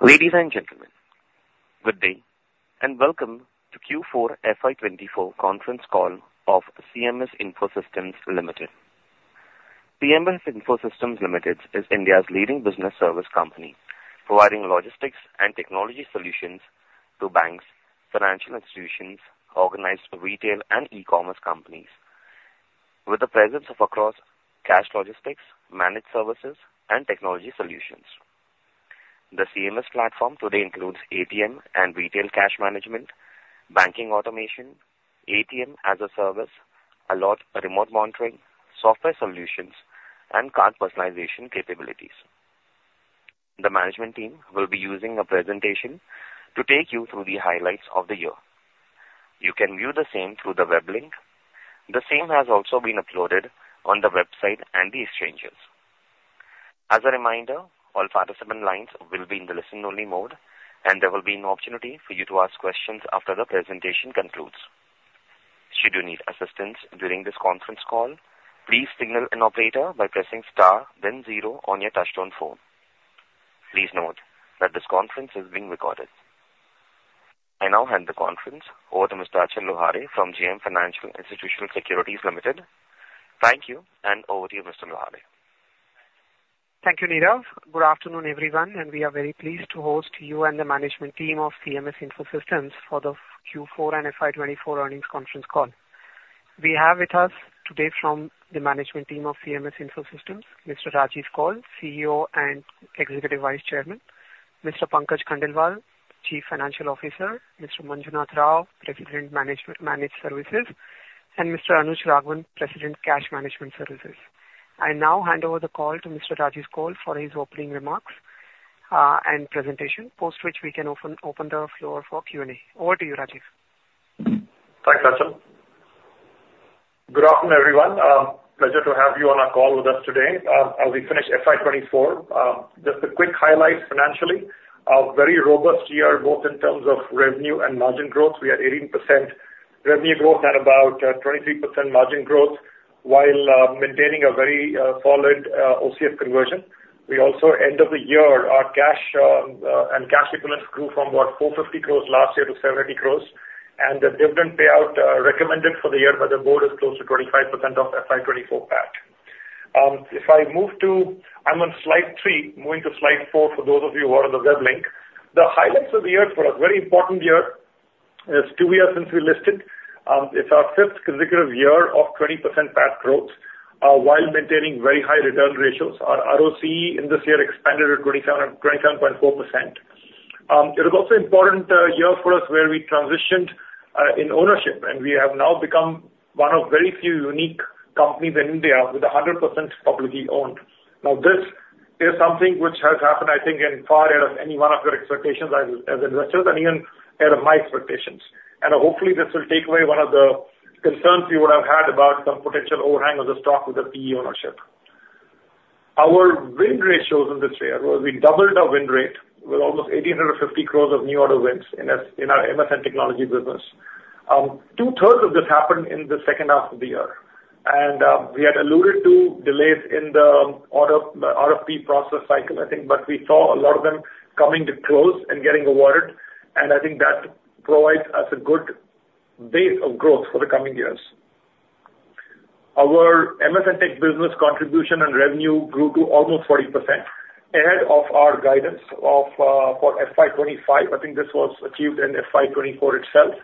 Ladies and gentlemen, good day, and welcome to Q4 FY 2024 conference call of CMS Info Systems Limited. CMS Info Systems Limited is India's leading business service company, providing logistics and technology solutions to banks, financial institutions, organized retail and e-commerce companies. With the presence of across cash logistics, managed services and technology solutions. The CMS platform today includes ATM and retail cash management, banking automation, ATM as a service, AIoT remote monitoring, software solutions and card personalization capabilities. The management team will be using a presentation to take you through the highlights of the year. You can view the same through the web link. The same has also been uploaded on the website and the exchanges. As a reminder, all participant lines will be in the listen-only mode, and there will be an opportunity for you to ask questions after the presentation concludes. Should you need assistance during this conference call, please signal an operator by pressing star then zero on your touchtone phone. Please note that this conference is being recorded. I now hand the conference over to Mr. Achal Lohade from JM Financial Institutional Securities Limited. Thank you, and over to you, Mr. Lohade. Thank you, Nirav. Good afternoon, everyone, and we are very pleased to host you and the management team of CMS Info Systems for the Q4 and FY 2024 earnings conference call. We have with us today from the management team of CMS Info Systems, Mr. Rajiv Kaul, CEO and Executive Vice Chairman; Mr. Pankaj Khandelwal, Chief Financial Officer; Mr. Manjunath Rao, President, Management, Managed Services; and Mr. Anush Raghavan, President, Cash Management Services. I now hand over the call to Mr. Rajiv Kaul for his opening remarks and presentation, post which we can open the floor for Q&A. Over to you, Rajiv. Thanks, Achal. Good afternoon, everyone. Pleasure to have you on our call with us today. As we finish FY 2024, just a quick highlight financially. A very robust year, both in terms of revenue and margin growth. We had 18% revenue growth and about 23% margin growth, while maintaining a very solid OCF conversion. We also end of the year, our cash and cash equivalents grew from about 450 crore last year to 780 crore, and the dividend payout recommended for the year by the board is close to 25% of FY 2024 PAT. If I move to... I'm on slide 3, moving to slide 4 for those of you who are on the web link. The highlights of the year. It was a very important year. It's 2 years since we listed. It's our fifth consecutive year of 20% PAT growth, while maintaining very high return ratios. Our ROCE in this year expanded at 27, 27.4%. It was also important year for us where we transitioned in ownership, and we have now become one of very few unique companies in India with 100% publicly owned. Now, this is something which has happened, I think, far out of any one of your expectations as investors and even out of my expectations. Hopefully this will take away one of the concerns you would have had about some potential overhang of the stock with the PE ownership. Our win ratios in this year, where we doubled our win rate with almost 1,850 crores of new order wins in our MS and technology business. Two-thirds of this happened in the second half of the year, and we had alluded to delays in the order, the RFP process cycle, I think, but we saw a lot of them coming to close and getting awarded, and I think that provides us a good base of growth for the coming years. Our MS and Tech business contribution and revenue grew to almost 40% ahead of our guidance of for FY 2025. I think this was achieved in FY 2024 itself.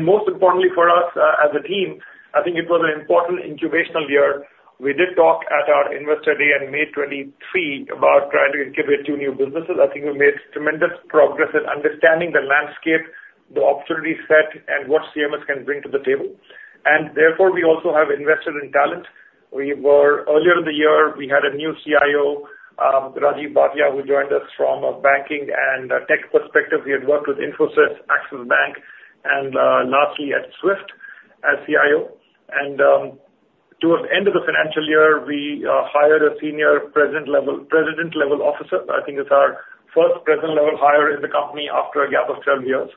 Most importantly for us, as a team, I think it was an important incubational year. We did talk at our investor day in May 2023 about trying to incubate two new businesses. I think we made tremendous progress in understanding the landscape, the opportunity set, and what CMS can bring to the table, and therefore, we also have invested in talent. Earlier in the year, we had a new CIO, Rajiv Bhatia, who joined us from a banking and a tech perspective. He had worked with Infosys, Axis Bank and, lastly at SWIFT as CIO. Towards the end of the financial year, we hired a senior president level, president-level officer. I think it's our first president-level hire in the company after a gap of 12 years.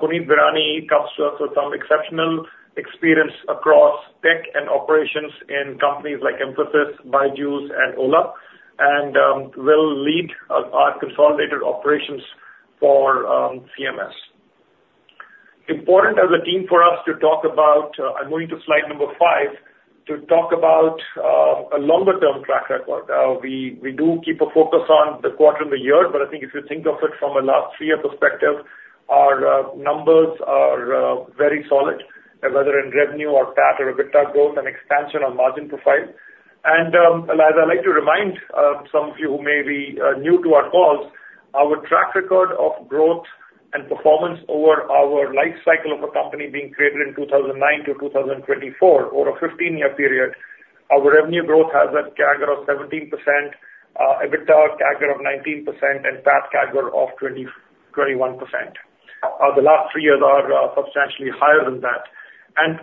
Puneet Bhirani comes to us with some exceptional experience across tech and operations in companies like Mphasis, BYJU'S and Ola, and, will lead our consolidated operations for CMS. Important as a team for us to talk about, I'm going to slide number 5, to talk about a longer term track record. We do keep a focus on the quarter and the year, but I think if you think of it from a last three-year perspective, our numbers are very solid, whether in revenue or PAT or EBITDA growth and expansion on margin profile. As I'd like to remind some of you who may be new to our calls, our track record of growth and performance over our life cycle of a company being created in 2009 to 2024, over a 15-year period, our revenue growth has a CAGR of 17%, EBITDA CAGR of 19% and PAT CAGR of 21%. The last three years are substantially higher than that.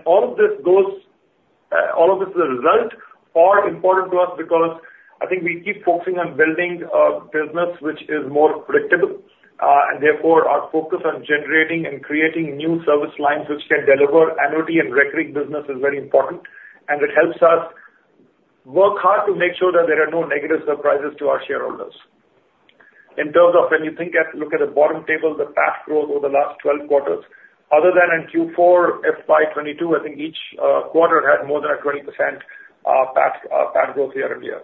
All of this is a result are important to us because I think we keep focusing on building a business which is more predictable, and therefore, our focus on generating and creating new service lines which can deliver annuity and recurring business is very important, and it helps us work hard to make sure that there are no negative surprises to our shareholders. In terms of when you think at, look at the bottom table, the past growth over the last 12 quarters, other than in Q4 FY 2022, I think each quarter had more than a 20% past growth year-on-year.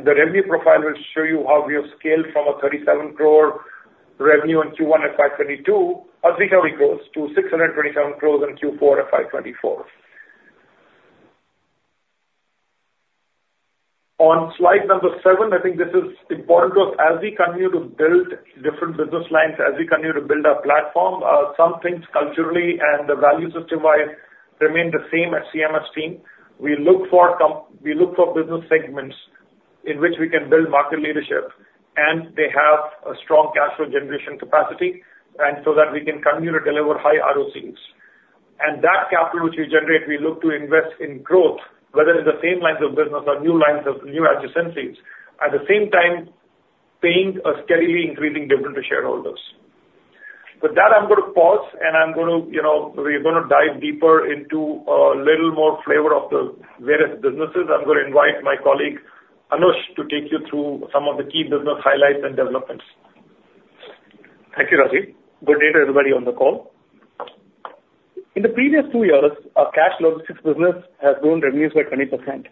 The revenue profile will show you how we have scaled from a 37 crore revenue in Q1 FY 2022, as we grow close to 627 crores in Q4 FY 2024. On slide number 7, I think this is important because as we continue to build different business lines, as we continue to build our platform, some things culturally and the value system-wise remain the same as CMS team. We look for business segments in which we can build market leadership, and they have a strong cash flow generation capacity, and so that we can continue to deliver high ROCs. That capital which we generate, we look to invest in growth, whether it's the same lines of business or new lines of new adjacencies. At the same time, paying a steadily increasing dividend to shareholders. With that, I'm going to pause and I'm going to, you know, we're going to dive deeper into little more flavor of the various businesses. I'm going to invite my colleague, Anush, to take you through some of the key business highlights and developments. Thank you, Rajiv. Good day to everybody on the call. In the previous two years, our cash logistics business has grown revenues by 20%.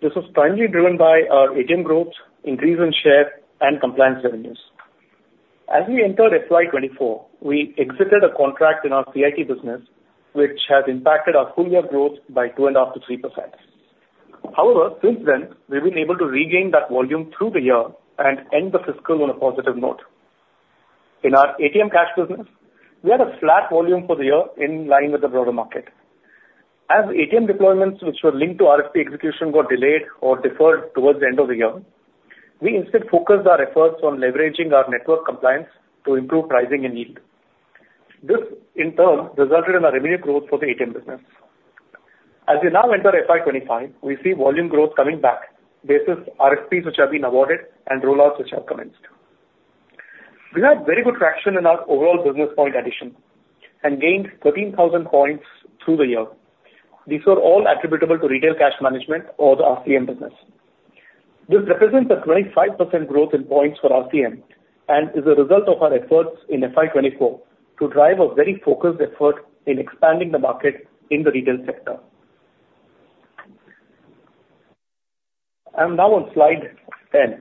This was primarily driven by our ATM growth, increase in share, and compliance revenues. As we entered FY 2024, we exited a contract in our CIT business, which has impacted our full year growth by 2.5%-3%. However, since then, we've been able to regain that volume through the year and end the fiscal on a positive note. In our ATM cash business, we had a flat volume for the year in line with the broader market. As ATM deployments which were linked to RFP execution got delayed or deferred towards the end of the year, we instead focused our efforts on leveraging our network compliance to improve pricing and yield. This, in turn, resulted in a revenue growth for the ATM business. As we now enter FY 2025, we see volume growth coming back, basis RFPs which have been awarded and rollouts which have commenced. We had very good traction in our overall business point addition and gained 13,000 points through the year. These were all attributable to retail cash management or the RCM business. This represents a 25% growth in points for RCM, and is a result of our efforts in FY 2024 to drive a very focused effort in expanding the market in the retail sector. I'm now on slide 10,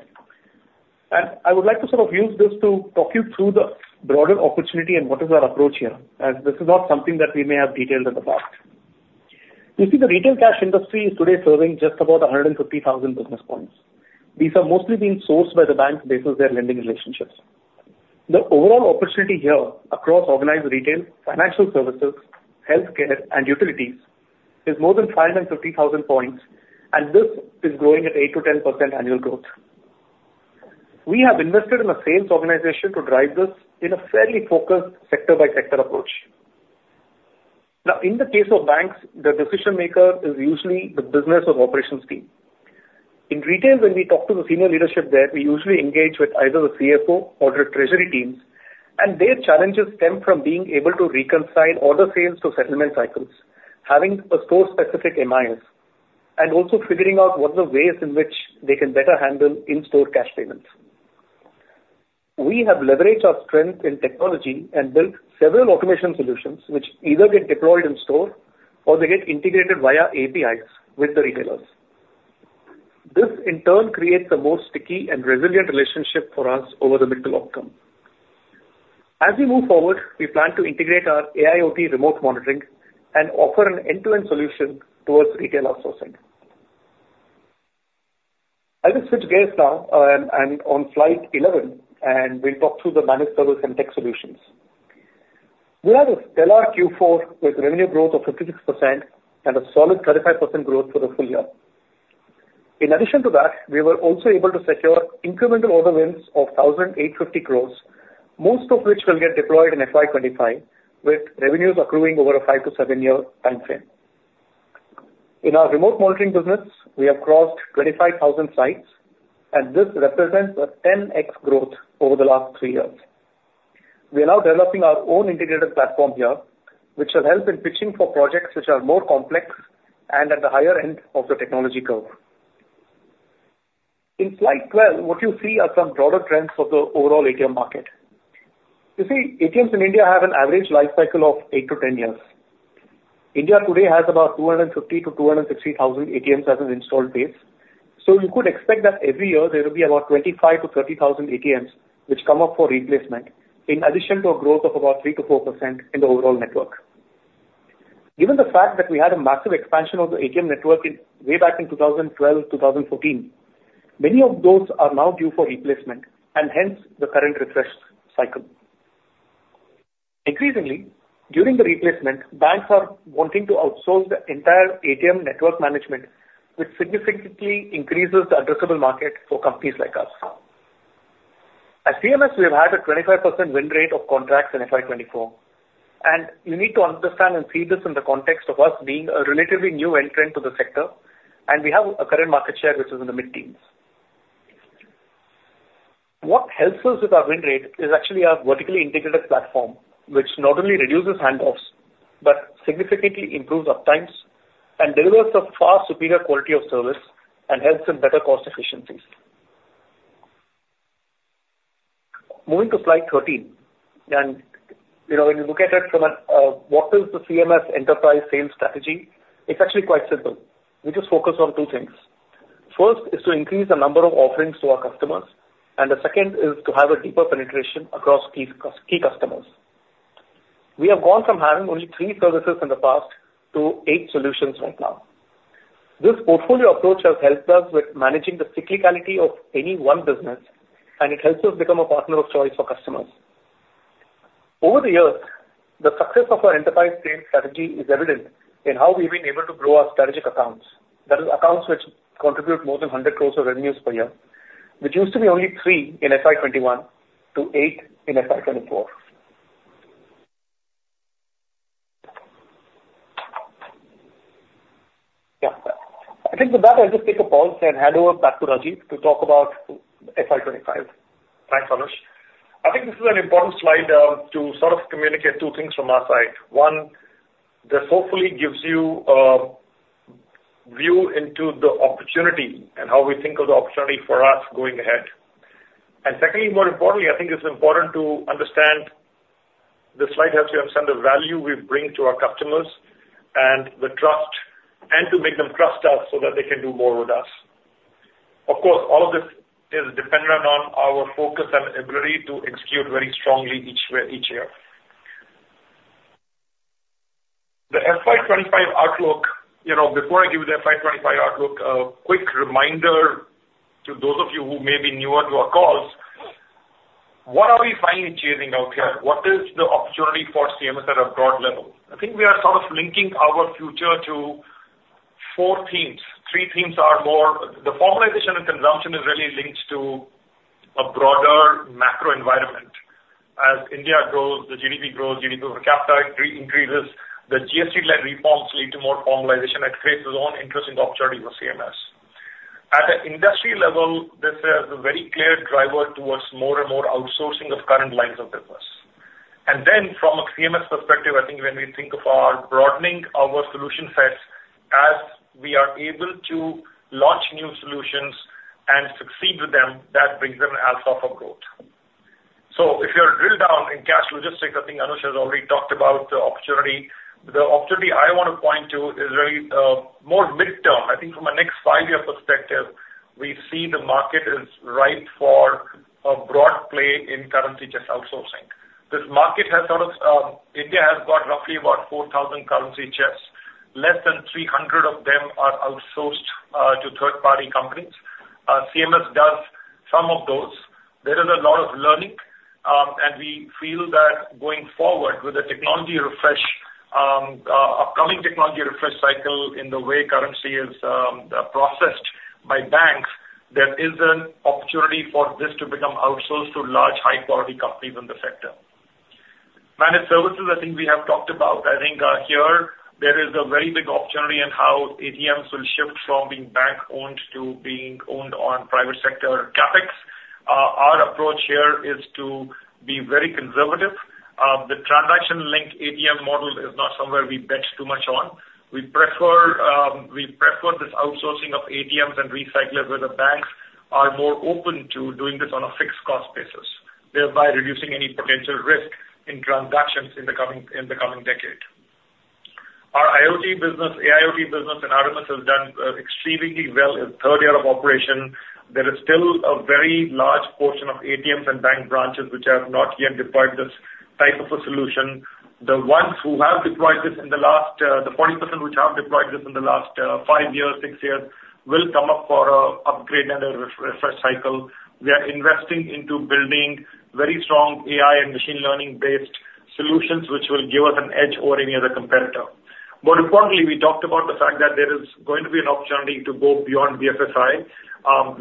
and I would like to sort of use this to talk you through the broader opportunity and what is our approach here, as this is not something that we may have detailed in the past. You see, the retail cash industry is today serving just about 150,000 business points. These are mostly being sourced by the banks basis their lending relationships. The overall opportunity here across organized retail, financial services, healthcare, and utilities, is more than 550,000 points, and this is growing at 8%-10% annual growth. We have invested in a sales organization to drive this in a fairly focused sector-by-sector approach. Now, in the case of banks, the decision maker is usually the business or operations team. In retail, when we talk to the senior leadership there, we usually engage with either the CFO or the treasury teams, and their challenges stem from being able to reconcile order sales to settlement cycles, having a store-specific MIS, and also figuring out what are the ways in which they can better handle in-store cash payments. We have leveraged our strength in technology and built several automation solutions, which either get deployed in store or they get integrated via APIs with the retailers. This, in turn, creates a more sticky and resilient relationship for us over the middle outcome. As we move forward, we plan to integrate our AIoT remote monitoring and offer an end-to-end solution towards retail outsourcing. I will switch gears now, and on slide 11, and we'll talk through the managed service and tech solutions. We had a stellar Q4 with revenue growth of 56% and a solid 35% growth for the full year. In addition to that, we were also able to secure incremental order wins of 1,850 crores, most of which will get deployed in FY 2025, with revenues accruing over a 5-7-year timeframe. In our remote monitoring business, we have crossed 25,000 sites, and this represents a 10x growth over the last 3 years. We are now developing our own integrated platform here, which will help in pitching for projects which are more complex and at the higher end of the technology curve. In slide 12, what you see are some broader trends of the overall ATM market. You see, ATMs in India have an average life cycle of 8-10 years. India today has about 250,000-260,000 ATMs as an installed base. So you could expect that every year there will be about 25,000-30,000 ATMs, which come up for replacement, in addition to a growth of about 3%-4% in the overall network. Given the fact that we had a massive expansion of the ATM network in, way back in 2012, 2014, many of those are now due for replacement, and hence, the current refresh cycle. Increasingly, during the replacement, banks are wanting to outsource the entire ATM network management, which significantly increases the addressable market for companies like us. At CMS, we have had a 25% win rate of contracts in FY 2024, and you need to understand and see this in the context of us being a relatively new entrant to the sector, and we have a current market share, which is in the mid-teens. What helps us with our win rate is actually our vertically integrated platform, which not only reduces handoffs, but significantly improves uptimes and delivers a far superior quality of service and helps in better cost efficiencies. Moving to slide 13, and, you know, when you look at it from a, what is the CMS enterprise sales strategy? It's actually quite simple. We just focus on two things. First, is to increase the number of offerings to our customers, and the second is to have a deeper penetration across key customers. We have gone from having only three services in the past to eight solutions right now. This portfolio approach has helped us with managing the cyclicality of any one business, and it helps us become a partner of choice for customers. Over the years, the success of our enterprise sales strategy is evident in how we've been able to grow our strategic accounts. That is, accounts which contribute more than 100 crores of revenues per year, which used to be only three in FY 2021 to eight in FY 2024. Yeah. I think with that, I'll just take a pause and hand over back to Rajiv to talk about FY 25. Thanks, Anush. I think this is an important slide to sort of communicate two things from our side. One, this hopefully gives you a view into the opportunity and how we think of the opportunity for us going ahead. And secondly, more importantly, I think it's important to understand... The slide helps you understand the value we bring to our customers and the trust- and to make them trust us so that they can do more with us. Of course, all of this is dependent on our focus and ability to execute very strongly each way, each year. The FY 2025 outlook, you know, before I give you the FY 2025 outlook, a quick reminder to those of you who may be newer to our calls, what are we finally chasing out here? What is the opportunity for CMS at a broad level? I think we are sort of linking our future to four themes. Three themes are more... The formalization and consumption is really linked to a broader macro environment. As India grows, the GDP grows, GDP per capita increases, the GST-led reforms lead to more formalization, that creates its own interesting opportunity for CMS. At the industry level, this is a very clear driver towards more and more outsourcing of current lines of business. And then from a CMS perspective, I think when we think of our broadening our solution sets, as we are able to launch new solutions and succeed with them, that brings in alpha for growth. So if you drill down in cash logistics, I think Anush has already talked about the opportunity. The opportunity I want to point to is really, more mid-term. I think from a next five-year perspective, we see the market is ripe for a broad play in currency chest outsourcing. This market has sort of India has got roughly about 4,000 currency chests. Less than 300 of them are outsourced to third-party companies. CMS does some of those. There is a lot of learning, and we feel that going forward with the technology refresh, upcoming technology refresh cycle in the way currency is processed by banks, there is an opportunity for this to become outsourced to large, high quality companies in the sector. Managed services, I think we have talked about. I think, here there is a very big opportunity in how ATMs will shift from being bank-owned to being owned on private sector CapEx. Our approach here is to be very conservative. The transaction-linked ATM model is not somewhere we bet too much on. We prefer this outsourcing of ATMs and recyclers, where the banks are more open to doing this on a fixed cost basis, thereby reducing any potential risk in transactions in the coming decade. Our IoT business, AIoT business, and RMS has done extremely well in third year of operation. There is still a very large portion of ATMs and bank branches which have not yet deployed this type of a solution. The ones who have deployed this in the last, the 40% which have deployed this in the last, five years, six years, will come up for an upgrade and a refresh cycle. We are investing into building very strong AI and machine learning-based solutions, which will give us an edge over any other competitor. More importantly, we talked about the fact that there is going to be an opportunity to go beyond BFSI.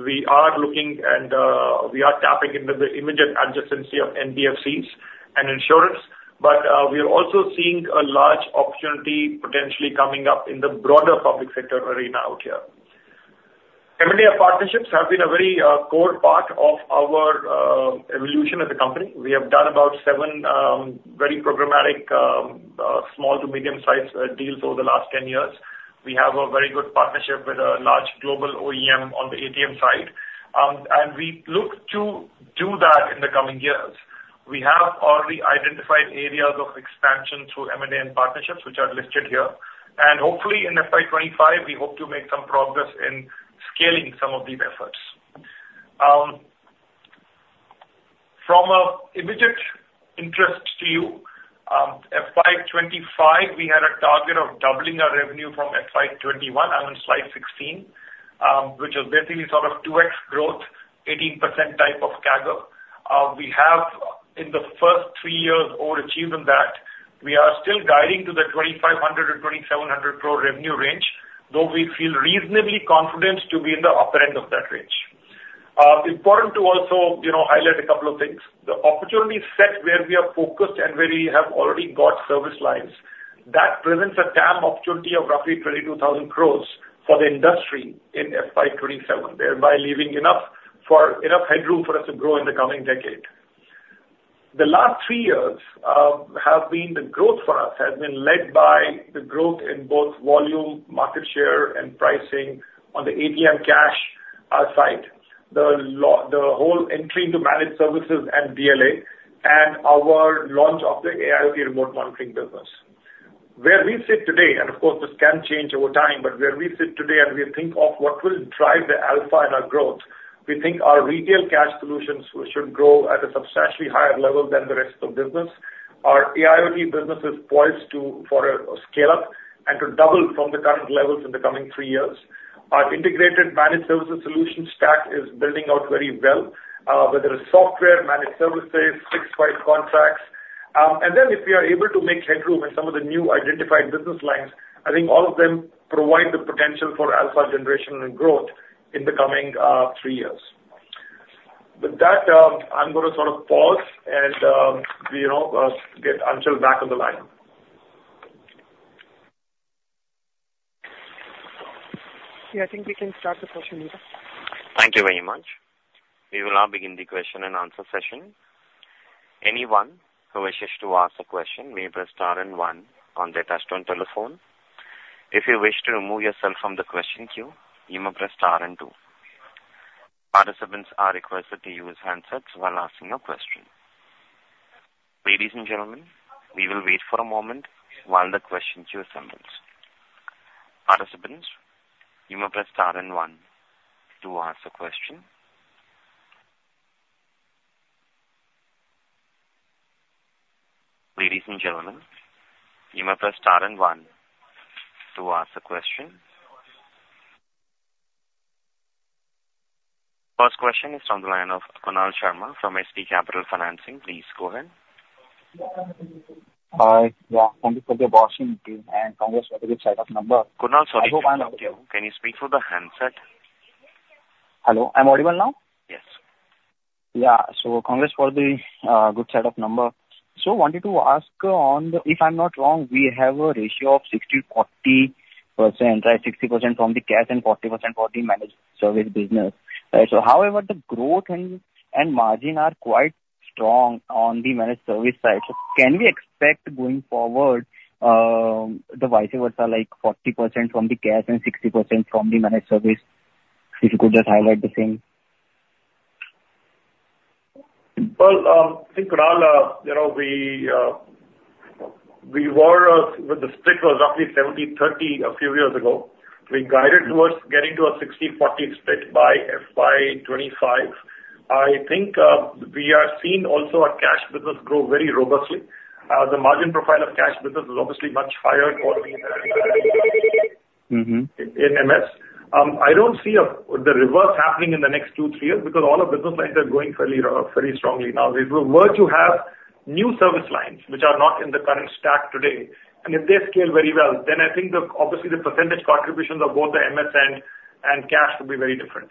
We are looking and we are tapping into the immediate adjacency of NBFCs and insurance, but we are also seeing a large opportunity potentially coming up in the broader public sector arena out here. M&A partnerships have been a very core part of our evolution as a company. We have done about 7 very programmatic small to medium-sized deals over the last 10 years. We have a very good partnership with a large global OEM on the ATM side. And we look to do that in the coming years. We have already identified areas of expansion through M&A and partnerships, which are listed here. And hopefully in FY 2025, we hope to make some progress in scaling some of these efforts. From an immediate interest to you, FY 2025, we had a target of doubling our revenue from FY 2021. I'm on slide 16, which is basically sort of 2x growth, 18% type of CAGR. We have in the first three years overachieved on that. We are still guiding to the 2,500-2,700 crore revenue range, though we feel reasonably confident to be in the upper end of that range. Important to also, you know, highlight a couple of things. The opportunity set where we are focused and where we have already got service lines. That presents a TAM opportunity of roughly 22,000 crore for the industry in FY 2027, thereby leaving enough for, enough headroom for us to grow in the coming decade. The last three years have been, the growth for us has been led by the growth in both volume, market share, and pricing on the ATM cash side. The whole entry into managed services and BLA and our launch of the AIoT remote monitoring business. Where we sit today, and of course, this can change over time, but where we sit today and we think of what will drive the alpha in our growth, we think our retail cash solutions should grow at a substantially higher level than the rest of the business. Our AIoT business is poised to, for a scale-up and to double from the current levels in the coming three years. Our integrated managed services solution stack is building out very well, whether it's software, managed services, fixed-price contracts. And then, if we are able to make headroom in some of the new identified business lines, I think all of them provide the potential for alpha generation and growth in the coming three years. With that, I'm going to sort of pause and, you know, get Achal back on the line. Yeah, I think we can start the question now. Thank you very much. We will now begin the question and answer session. Anyone who wishes to ask a question may press star and one on their touchtone telephone. If you wish to remove yourself from the question queue, you may press star and two. Participants are requested to use handsets while asking a question. Ladies and gentlemen, we will wait for a moment while the question queue assembles. Participants, you may press star and one to ask a question. Ladies and gentlemen, you may press star and one to ask a question. First question is from the line of Kunal Sharma from SP Capital Financing. Please go ahead. Hi. Yeah, thank you for the opportunity and congrats for the good set of number- Kunal, sorry to stop you. Can you speak through the handset? Hello, I'm audible now? Yes. Yeah. So congrats for the good set of number. So wanted to ask on, if I'm not wrong, we have a ratio of 60/40%, right? 60% from the cash and 40% for the managed service business. So however, the growth and margin are quite strong on the managed service side. So can we expect going forward, the vice versa, like 40% from the cash and 60% from the managed service? If you could just highlight the same. Well, I think, Kunal, you know, we were with the split was roughly 70/30 a few years ago. We guided towards getting to a 60/40 split by FY 2025. I think, we are seeing also our cash business grow very robustly. The margin profile of cash business is obviously much higher for me in MS. I don't see the reverse happening in the next two, three years because all our business lines are growing fairly, fairly strongly. Now, we were to have new service lines, which are not in the current stack today, and if they scale very well, then I think, obviously, the percentage contributions of both the MS and cash will be very different.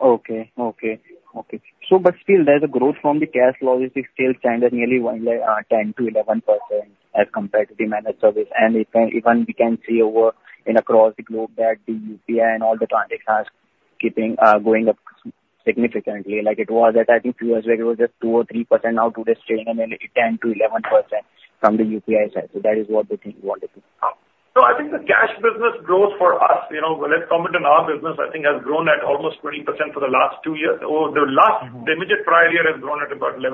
Okay. Okay, okay. So but still, there's a growth from the cash logistics still standing nearly 10%-11% as compared to the managed service. And even, even we can see over and across the globe that the UPI and all the transactions are keeping going up significantly. Like it was at, I think, few years ago, it was just 2% or 3%. Now, to this 10% and 11%, 10%-11% from the UPI side. So that is what we think wanted to... So I think the cash business growth for us, you know, let's comment on our business, I think has grown at almost 20% for the last two years, or the last immediate prior year has grown at about 11%.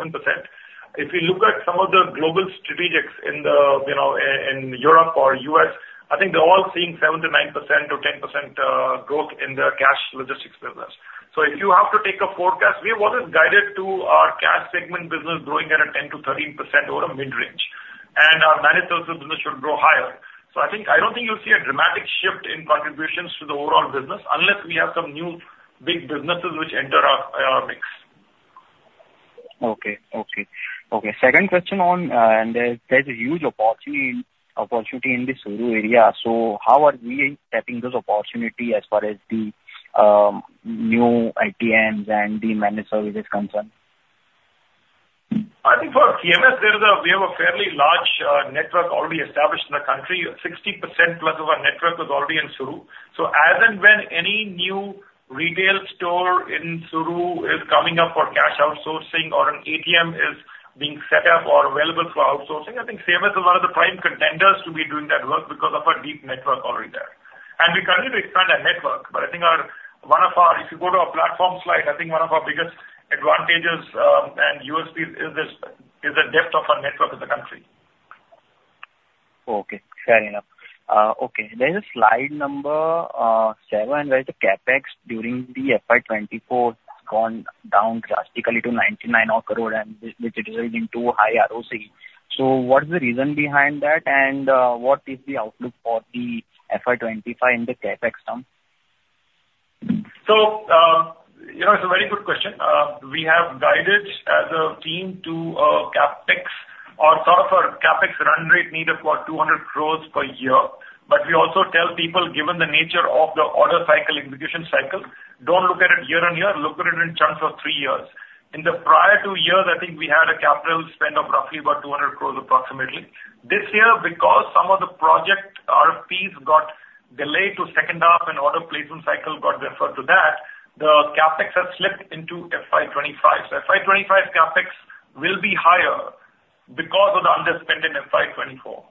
If you look at some of the global strategics in the, you know, in, in Europe or US, I think they're all seeing 7%-9% or 10% growth in their cash logistics business. So if you have to take a forecast, we have always guided to our cash segment business growing at a 10%-13% over a mid-range, and our managed services business should grow higher. So I think, I don't think you'll see a dramatic shift in contributions to the overall business unless we have some new big businesses which enter our, our mix. Okay. Okay. Okay, second question on, there's a huge opportunity in the Suru area. So how are we tapping this opportunity as far as the new ITMs and the managed service is concerned? I think for CMS, there is. We have a fairly large network already established in the country. 60% plus of our network is already in rural. So as and when any new retail store in rural is coming up for cash outsourcing or an ATM is being set up or available for outsourcing, I think CMS is one of the prime contenders to be doing that work because of our deep network already there. And we continue to expand our network, but I think one of our, if you go to our platform slide, I think one of our biggest advantages and USPs is the depth of our network in the country. Okay, fair enough. Okay, there's a slide number 7, where the CapEx during the FY 2024 has gone down drastically to 99 crore, and which resulted into high ROC. So what is the reason behind that? And, what is the outlook for the FY 2025 in the CapEx term? So, you know, it's a very good question. We have guided as a team to CapEx or sort of our CapEx run rate need of about 200 crore per year. But we also tell people, given the nature of the order cycle, execution cycle, don't look at it year-on-year, look at it in chunks of three years. In the prior two years, I think we had a capital spend of roughly about 200 crore approximately. This year, because some of the project RFPs got delayed to second half and order placement cycle got referred to that, the CapEx has slipped into FY 2025. So FY 2025 CapEx will be higher because of the underspend in FY 2024.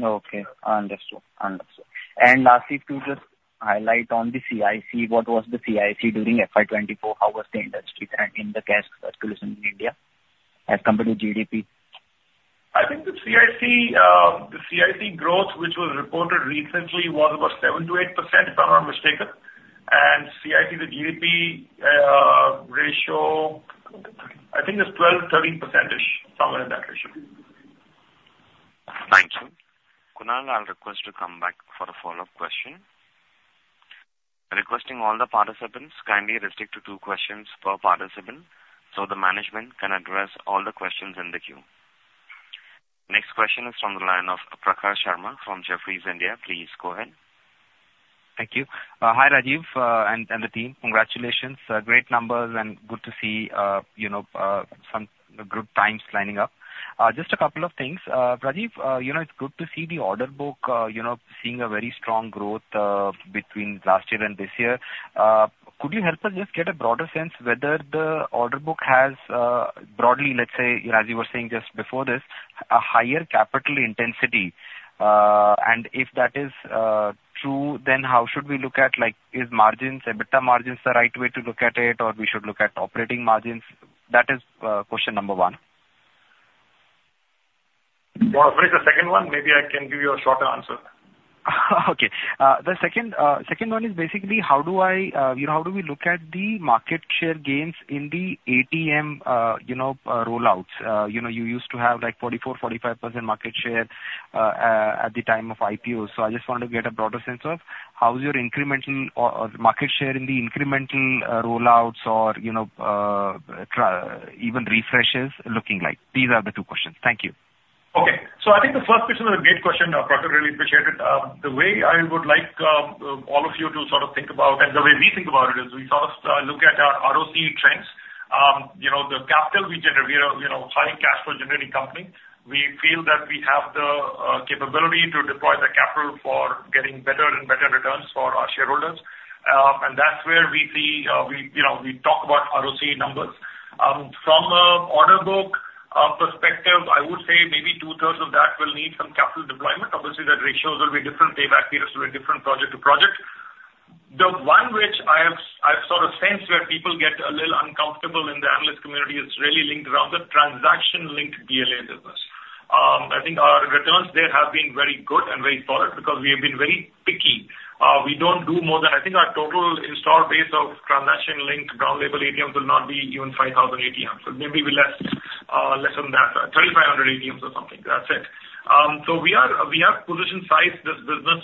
Okay, understood, understood. And lastly, to just highlight on the CIC, what was the CIC during FY 2024? How was the industry trend in the cash circulation in India as compared to GDP? I think the CIC, the CIC growth, which was reported recently, was about 7%-8%, if I'm not mistaken. CIC to GDP ratio, I think, is 12%-13%, somewhere in that ratio. Thank you. Kunal, I'll request to come back for a follow-up question. Requesting all the participants, kindly restrict to two questions per participant, so the management can address all the questions in the queue. Next question is from the line of Prakhar Sharma from Jefferies India. Please go ahead. Thank you. Hi, Rajiv, and the team. Congratulations, great numbers, and good to see, you know, some good times lining up. Just a couple of things. Rajiv, you know, it's good to see the order book, you know, seeing a very strong growth, between last year and this year. Could you help us just get a broader sense whether the order book has, broadly, let's say, as you were saying just before this, a higher capital intensity? And if that is true, then how should we look at, like, is margins, EBITDA margins, the right way to look at it, or we should look at operating margins? That is question number one. What is the second one? Maybe I can give you a shorter answer. Okay. The second one is basically how do I, you know, how do we look at the market share gains in the ATM, you know, rollouts? You know, you used to have, like, 44, 45% market share at the time of IPO. So I just wanted to get a broader sense of how is your incremental or market share in the incremental rollouts or, you know, even refreshes looking like? These are the two questions. Thank you. Okay. I think the first question is a great question, Prakesh. I really appreciate it. The way I would like all of you to sort of think about and the way we think about it is, we sort of look at our ROC trends. You know, the capital we generate, we are, you know, high cash flow generating company. We feel that we have the capability to deploy the capital for getting better and better returns for our shareholders. And that's where we see, we, you know, we talk about ROC numbers. From an order book perspective, I would say maybe two-thirds of that will need some capital deployment. Obviously, the ratios will be different, payback periods will be different, project to project. The one which I have, I've sort of sensed where people get a little uncomfortable in the analyst community, is really linked around the transaction-linked BLA business. I think our returns there have been very good and very solid because we have been very picky. We don't do more than... I think our total install base of transaction-linked ground-level ATMs will not be even 5,000 ATMs. So maybe be less, less than that, 3,500 ATMs or something. That's it. So we are, we have position-sized this business,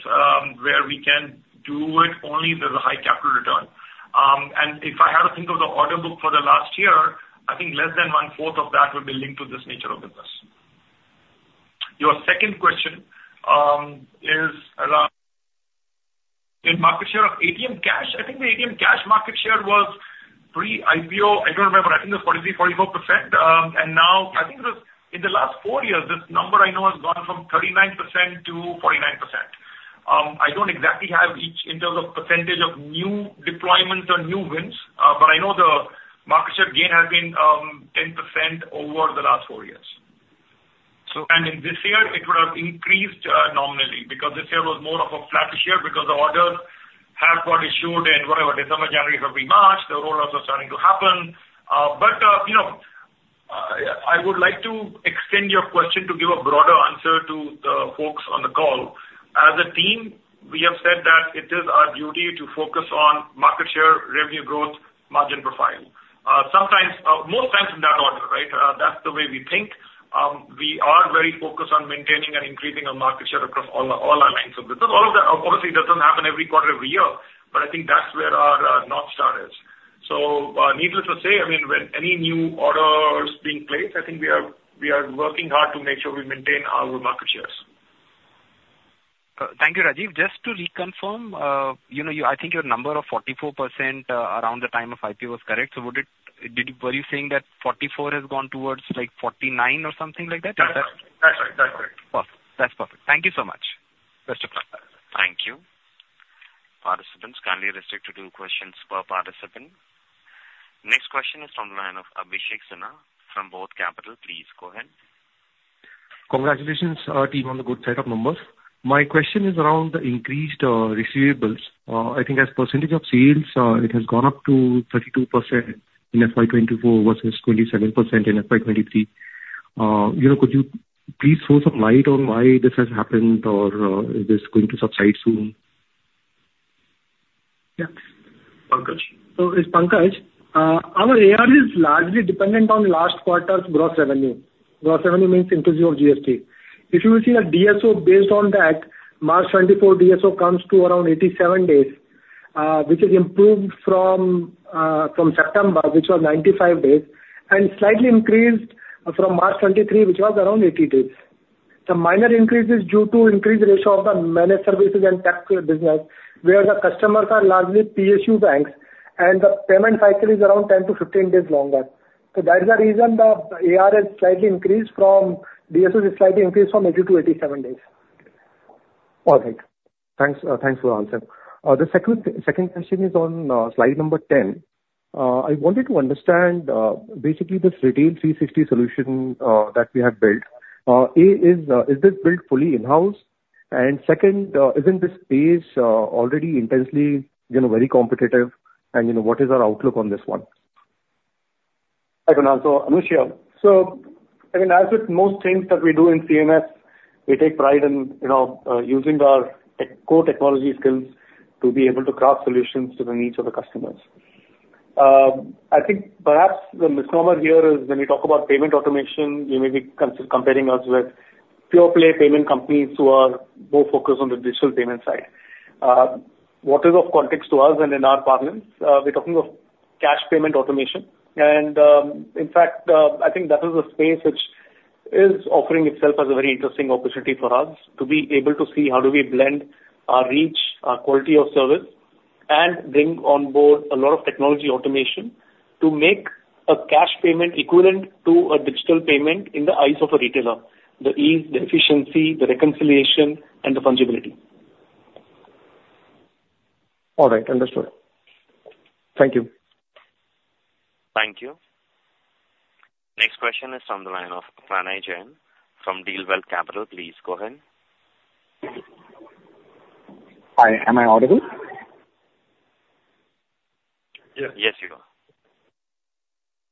where we can do it only if there's a high capital return. If I had to think of the order book for the last year, I think less than one-fourth of that would be linked to this nature of business. Your second question is around in market share of ATM cash. I think the ATM cash market share was pre-IPO. I don't remember. I think it was 43-44%. And now, in the last four years, this number I know has gone from 39%-49%. I don't exactly have each in terms of percentage of new deployments or new wins, but I know the market share gain has been 10% over the last four years. And in this year, it would have increased nominally, because this year was more of a flattish year because the orders have got issued in whatever, December, January, February, March. The rollouts are starting to happen. But you know, I would like to extend your question to give a broader answer to the folks on the call. As a team, we have said that it is our duty to focus on market share, revenue growth, margin profile. Sometimes, most times in that order, right? That's the way we think. We are very focused on maintaining and increasing our market share across all our lines of business. All of that, obviously, doesn't happen every quarter, every year, but I think that's where our North Star is. So, needless to say, I mean, when any new order is being placed, I think we are working hard to make sure we maintain our market shares. Thank you, Rajiv. Just to reconfirm, you know, I think your number of 44% around the time of IPO was correct. So would it... Did, were you saying that 44 has gone towards, like, 49 or something like that? That's right. That's right. Perfect. That's perfect. Thank you so much. First of all. Thank you. Participants, kindly restrict to two questions per participant. Next question is from the line of Abhishek Sinha from Bodh Capital. Please go ahead. Congratulations, team, on the good set of numbers. My question is around the increased receivables. I think as percentage of sales, it has gone up to 32% in FY 2024 versus 27% in FY 2023. You know, could you please throw some light on why this has happened, or is this going to subside soon? Yeah. Pankaj. So it's Pankaj. Our AR is largely dependent on last quarter's gross revenue. Gross revenue means inclusive of GST. If you will see a DSO based on that, March 2024, DSO comes to around 87 days, which is improved from September, which was 95 days, and slightly increased from March 2023, which was around 80 days. So minor increase is due to increased ratio of the managed services and cash business, where the customers are largely PSU banks, and the payment cycle is around 10-15 days longer. So that is the reason the AR has slightly increased from, DSO has slightly increased from 80-87 days. All right. Thanks, thanks for the answer. The second question is on slide number 10. I wanted to understand basically this Retail 360 solution that we have built. A, is this built fully in-house? And second, isn't this space already intensely, you know, very competitive? And, you know, what is our outlook on this one? So, Anush here. So, I mean, as with most things that we do in CMS, we take pride in, you know, using our tech core technology skills to be able to craft solutions to the needs of the customers. I think perhaps the misnomer here is when we talk about payment automation, you may be comparing us with pure play payment companies who are more focused on the digital payment side. What is of context to us and in our parlance, we're talking of cash payment automation. In fact, I think that is a space which is offering itself as a very interesting opportunity for us to be able to see how do we blend our reach, our quality of service, and bring on board a lot of technology automation to make a cash payment equivalent to a digital payment in the eyes of a retailer, the ease, the efficiency, the reconciliation, and the fungibility. All right, understood. Thank you. Thank you. Next question is on the line of Pranay Jain from DealWealth Capital. Please go ahead. Hi, am I audible? Yes, you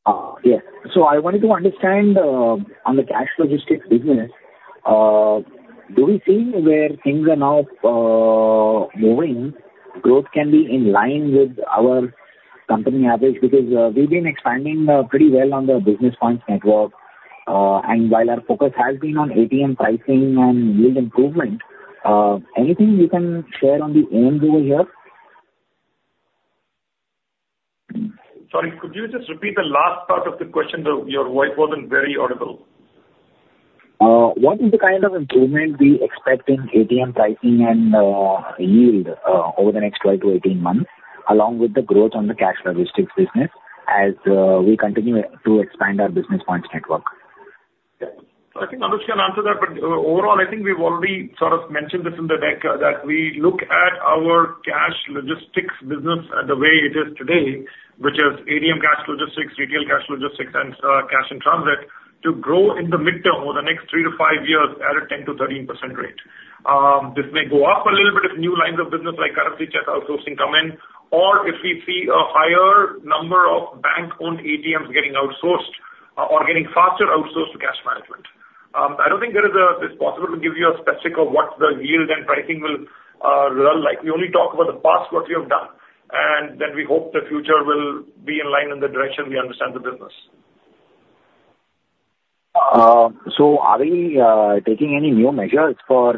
are. Yeah. So I wanted to understand on the cash logistics business, do we see where things are now moving, growth can be in line with our company average? Because we've been expanding pretty well on the business points network. And while our focus has been on ATM pricing and yield improvement, anything you can share on the end over here? Sorry, could you just repeat the last part of the question? Though, your voice wasn't very audible. What is the kind of improvement we expect in ATM pricing and yield over the next 12-18 months, along with the growth on the cash logistics business as we continue to expand our business points network? I think Anush can answer that, but, overall, I think we've already sort of mentioned this in the deck, that we look at our cash logistics business, the way it is today, which is ATM cash logistics, retail cash logistics, and, cash in transit, to grow in the midterm over the next three to five years at a 10%-13% rate. This may go up a little bit if new lines of business like currency check outsourcing come in, or if we see a higher number of bank-owned ATMs getting outsourced or getting faster outsourced to cash management. I don't think there is. It's possible to give you a specific of what the yield and pricing will look like we only talk about the past, what we have done, and then we hope the future will be in line in the direction we understand the business. So are we taking any new measures for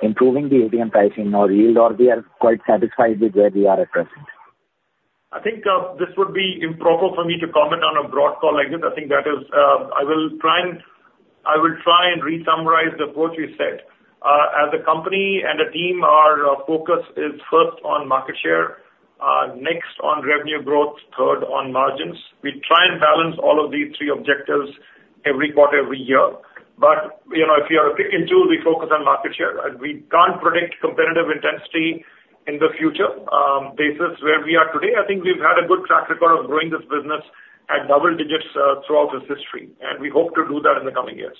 improving the ATM pricing or yield, or we are quite satisfied with where we are at present? I think, this would be improper for me to comment on a broad call like this. I think that is, I will try and re-summarize the what we said. As a company and a team, our focus is first on market share, next on revenue growth, third on margins. We try and balance all of these three objectives every quarter, every year. But, you know, if you are to pick in two, we focus on market share. We can't predict competitive intensity in the future, basis. Where we are today, I think we've had a good track record of growing this business at double digits, throughout its history, and we hope to do that in the coming years.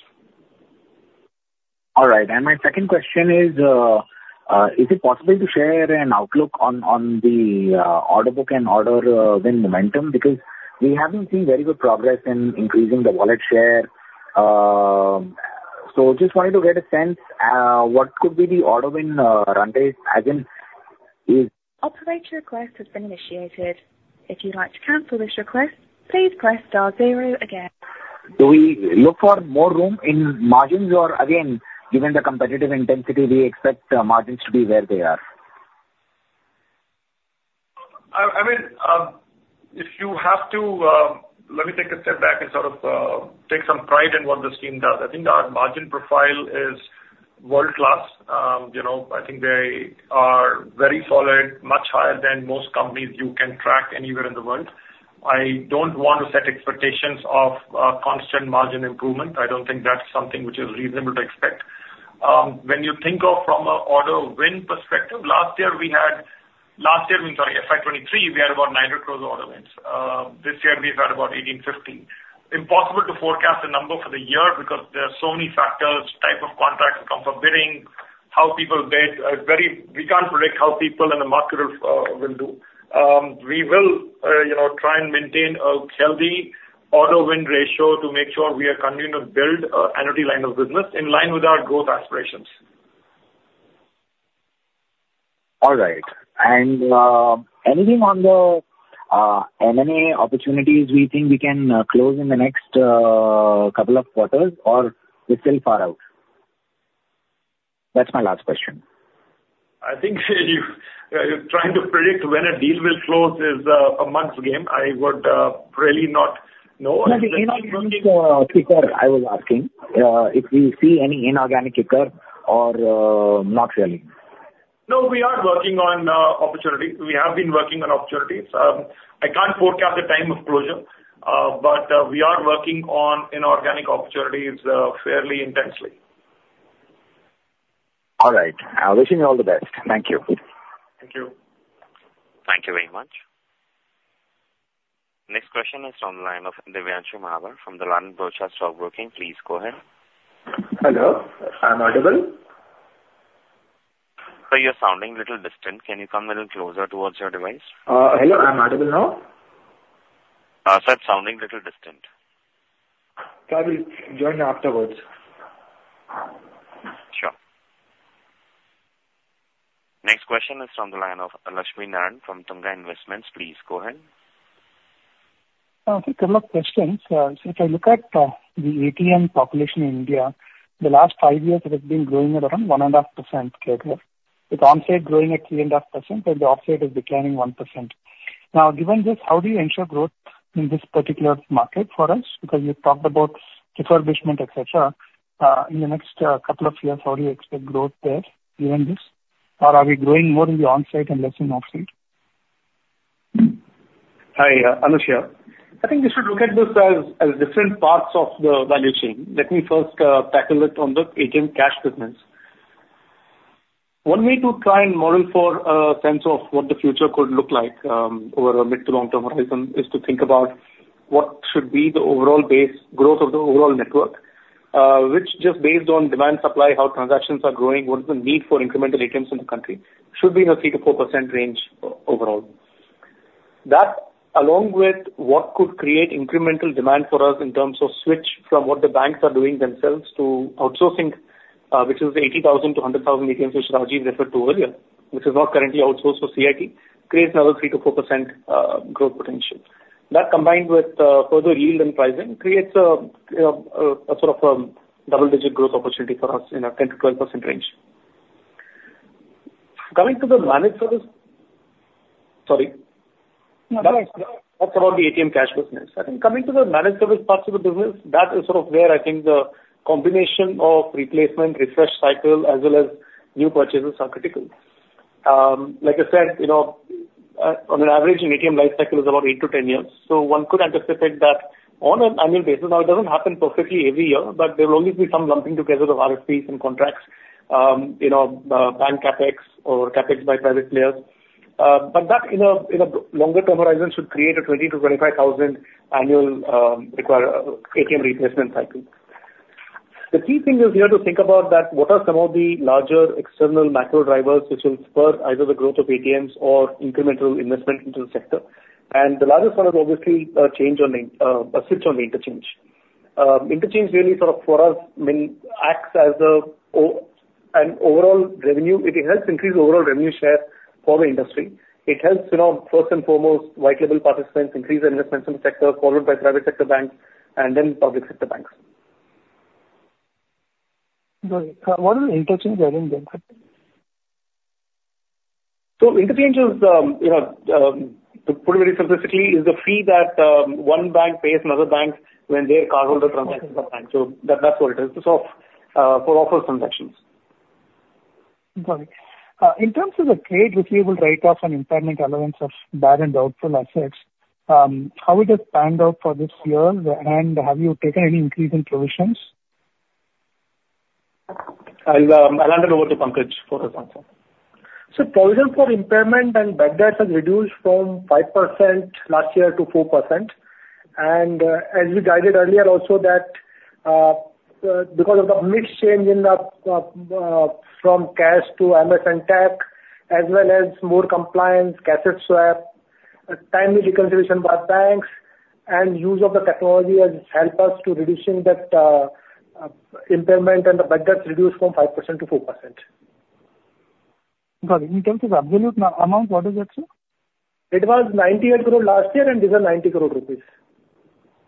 All right. My second question is, is it possible to share an outlook on the order book and order win momentum? Because we haven't seen very good progress in increasing the wallet share. So just wanted to get a sense, what could be the order win run rate, as in, is- Do we look for more room in margins? Or again, given the competitive intensity, we expect margins to be where they are. Let me take a step back and sort of take some pride in what this team does. I think our margin profile is world-class. You know, I think they are very solid, much higher than most companies you can track anywhere in the world. I don't want to set expectations of constant margin improvement. I don't think that's something which is reasonable to expect. When you think of from an order win perspective, last year we had, last year, we... Sorry, FY 2023, we had about 900 closed order wins. This year we've had about 1,850. Impossible to forecast the number for the year because there are so many factors, type of contracts that come from bidding, how people bid. Very, we can't predict how people in the market will do. We will, you know, try and maintain a healthy order win ratio to make sure we are continuing to build a healthy line of business in line with our growth aspirations. All right. And, anything on the M&A opportunities we think we can close in the next couple of quarters, or they're still far out That's my last question. I think you're trying to predict when a deal will close is a month's game. I would really not know. No, the inorganic kicker I was asking, if we see any inorganic kicker or, not really? No, we are working on opportunities. We have been working on opportunities. I can't forecast the time of closure, but we are working on inorganic opportunities fairly intensely. All right. I'll wish you all the best. Thank you. Thank you. Thank you very much. Next question is from the line of Divyanshu Mahavar from Dalal & Broacha Stock Broking. Please go ahead. Hello, I'm audible? Sir, you're sounding a little distant. Can you come a little closer towards your device? Hello, I'm audible now? Sir, it's sounding a little distant. I will join afterwards. Sure. Next question is from the line of Lakshminarayan from Tunga Investments. Please, go ahead. A couple of questions. So if I look at the ATM population in India, the last five years it has been growing at around 1.5%, roughly. With on-site growing at 3.5%, and the offsite is declining 1%. Now, given this, how do you ensure growth in this particular market for us? Because you talked about refurbishment, et cetera. In the next couple of years, how do you expect growth there, given this? Or are we growing more in the on-site and less in off-site? Hi, Anuj here. I think you should look at this as, as different parts of the value chain. Let me first tackle it on the ATM cash business. One way to try and model for a sense of what the future could look like, over a mid to long-term horizon, is to think about what should be the overall base growth of the overall network. Which just based on demand, supply, how transactions are growing, what is the need for incremental ATMs in the country, should be in a 3%-4% range overall. That, along with what could create incremental demand for us in terms of switch from what the banks are doing themselves to outsourcing, which is the 80,000-100,000 ATMs, which Rajiv referred to earlier, which is not currently outsourced for CIT, creates another 3%-4%, growth potential. That, combined with, further yield and pricing, creates a, a sort of double-digit growth opportunity for us in a 10%-12% range. Coming to the managed service... Sorry. No, go ahead. That's about the ATM cash business. I think coming to the managed service parts of the business, that is sort of where I think the combination of replacement, refresh cycle, as well as new purchases are critical. Like I said, you know, on an average, an ATM life cycle is about 8-10 years, so one could anticipate that on an annual basis. Now, it doesn't happen perfectly every year, but there will only be some lumping together of RFPs and contracts, you know, bank CapEx or CapEx by private players. But that, in a, in a longer term horizon, should create a 20,000-25,000 annual, require, ATM replacement cycle. The key thing is here to think about that what are some of the larger external macro drivers which will spur either the growth of ATMs or incremental investment into the sector? And the largest one is obviously a change in a switch on the interchange. Interchange really sort of for us, I mean, acts as an overall revenue. It helps increase overall revenue share for the industry. It helps, you know, first and foremost, white label participants increase their investments in the sector, followed by private sector banks and then public sector banks. Got it. What is the interchange within bank sector? So interchange is, you know, to put it very specifically, is the fee that one bank pays another bank when their cardholders- Okay. -transaction with the bank. So that, that's what it is. So, for offer transactions. Got it. In terms of the trade receivable, write-offs and impairment allowance of bad and doubtful assets, how is it panned out for this year, and have you taken any increase in provisions? I'll hand it over to Pankaj for the answer. So provision for impairment and bad debts has reduced from 5% last year to 4%. And, as we guided earlier also, that, because of the mix change in the, from cash to MS and Tech, as well as more compliance, cassette swap, timely reconciliation by banks and use of the technology has helped us to reducing that, impairment and the bad debts reduced from 5% to 4%. Got it. In terms of absolute amount, what is it, sir? It was 98 crore last year, and these are 90 crore rupees.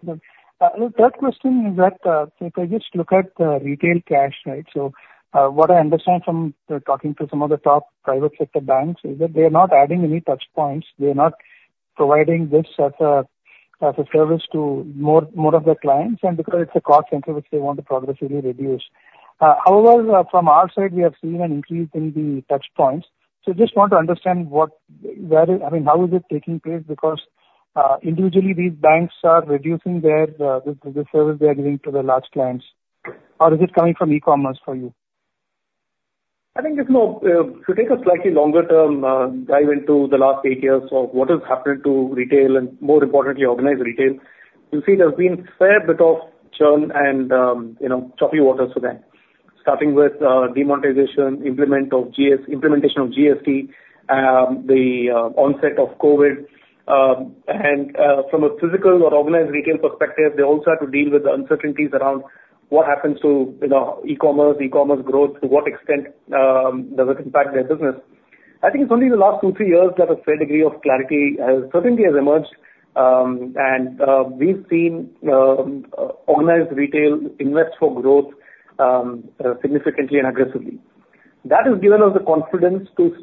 Got it. The third question is that, if I just look at the retail cash, right? So, what I understand from talking to some of the top private sector banks is that they are not adding any touch points. They are not providing this as a service to more of their clients, and because it's a cost center, which they want to progressively reduce. However, from our side, we have seen an increase in the touchpoints. So just want to understand what, where, I mean, how is it taking place? Because, individually, these banks are reducing their, the service they are giving to their large clients. Or is it coming from e-commerce for you? I think there's no to take a slightly longer term dive into the last eight years of what has happened to retail and more importantly, organized retail, you'll see there's been a fair bit of churn and, you know, choppy waters for them. Starting with, demonetization, implement of GS- implementation of GST, the, onset of COVID, and, from a physical or organized retail perspective, they also had to deal with the uncertainties around what happens to, you know, e-commerce, e-commerce growth, to what extent, does it impact their business? I think it's only in the last 2-3 years that a fair degree of clarity has certainly has emerged, and we've seen organized retail invest for growth significantly and aggressively. That has given us the confidence to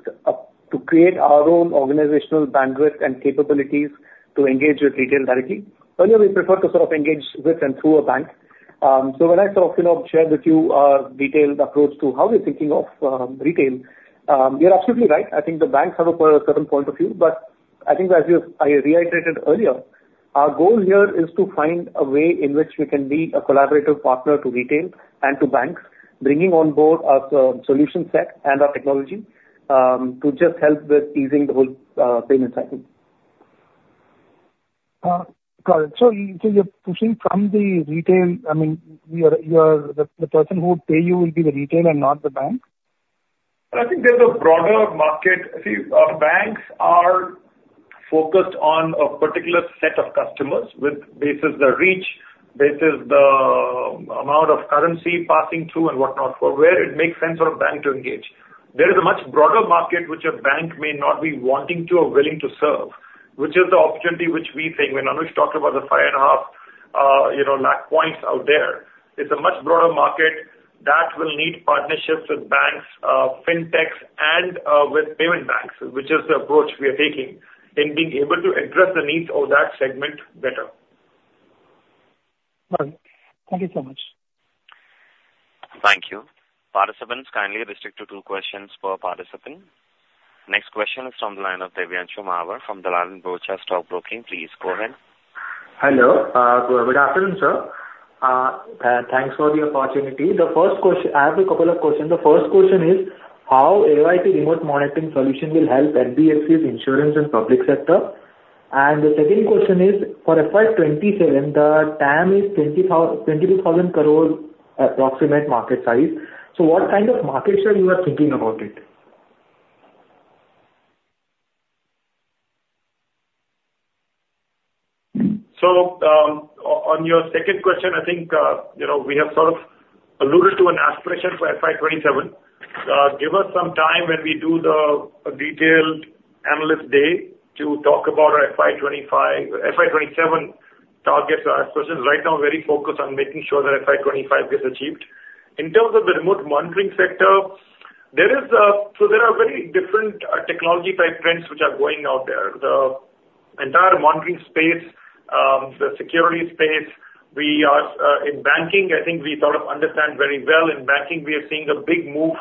create our own organizational bandwidth and capabilities to engage with retail directly. Earlier, we preferred to sort of engage with and through a bank. So when I sort of, you know, shared with you our detailed approach to how we're thinking of retail, you're absolutely right. I think the banks have a certain point of view, but I think as you, I reiterated earlier, our goal here is to find a way in which we can be a collaborative partner to retail and to banks, bringing on board our solution set and our technology, to just help with easing the whole, payment cycle. Got it. So you're pushing from the retail, I mean, you're the person who would pay you will be the retail and not the bank? I think there's a broader market. See, our banks are focused on a particular set of customers with basis the reach, basis the amount of currency passing through and whatnot, for where it makes sense for a bank to engage. There is a much broader market which a bank may not be wanting to or willing to serve, which is the opportunity which we think. When Anuj talked about the 5.5, you know, lakh points out there, it's a much broader market that will need partnerships with banks, fintechs, and, with payment banks, which is the approach we are taking in being able to address the needs of that segment better. Right. Thank you so much. Thank you. Participants, kindly restrict to two questions per participant. Next question is from the line of Divyanshu Mahawar from Dalal & Broacha Stock Broking. Please go ahead. Hello. Good afternoon, sir. Thanks for the opportunity. I have a couple of questions. The first question is: How AIoT remote monitoring solution will help NBFCs insurance and public sector? And the second question is, for FY 2027, the TAM is 22,000 crore approximate market size. So what kind of market share you are thinking about it? So, on your second question, I think, you know, we have sort of alluded to an aspiration for FY 2027. Give us some time when we do the detailed analyst day to talk about our FY 2025... FY 2027 targets, especially right now, very focused on making sure that FY 2025 gets achieved. In terms of the remote monitoring sector, there is, so there are very different technology type trends which are going out there. The entire monitoring space, the security space, we are in banking, I think we sort of understand very well. In banking, we are seeing a big move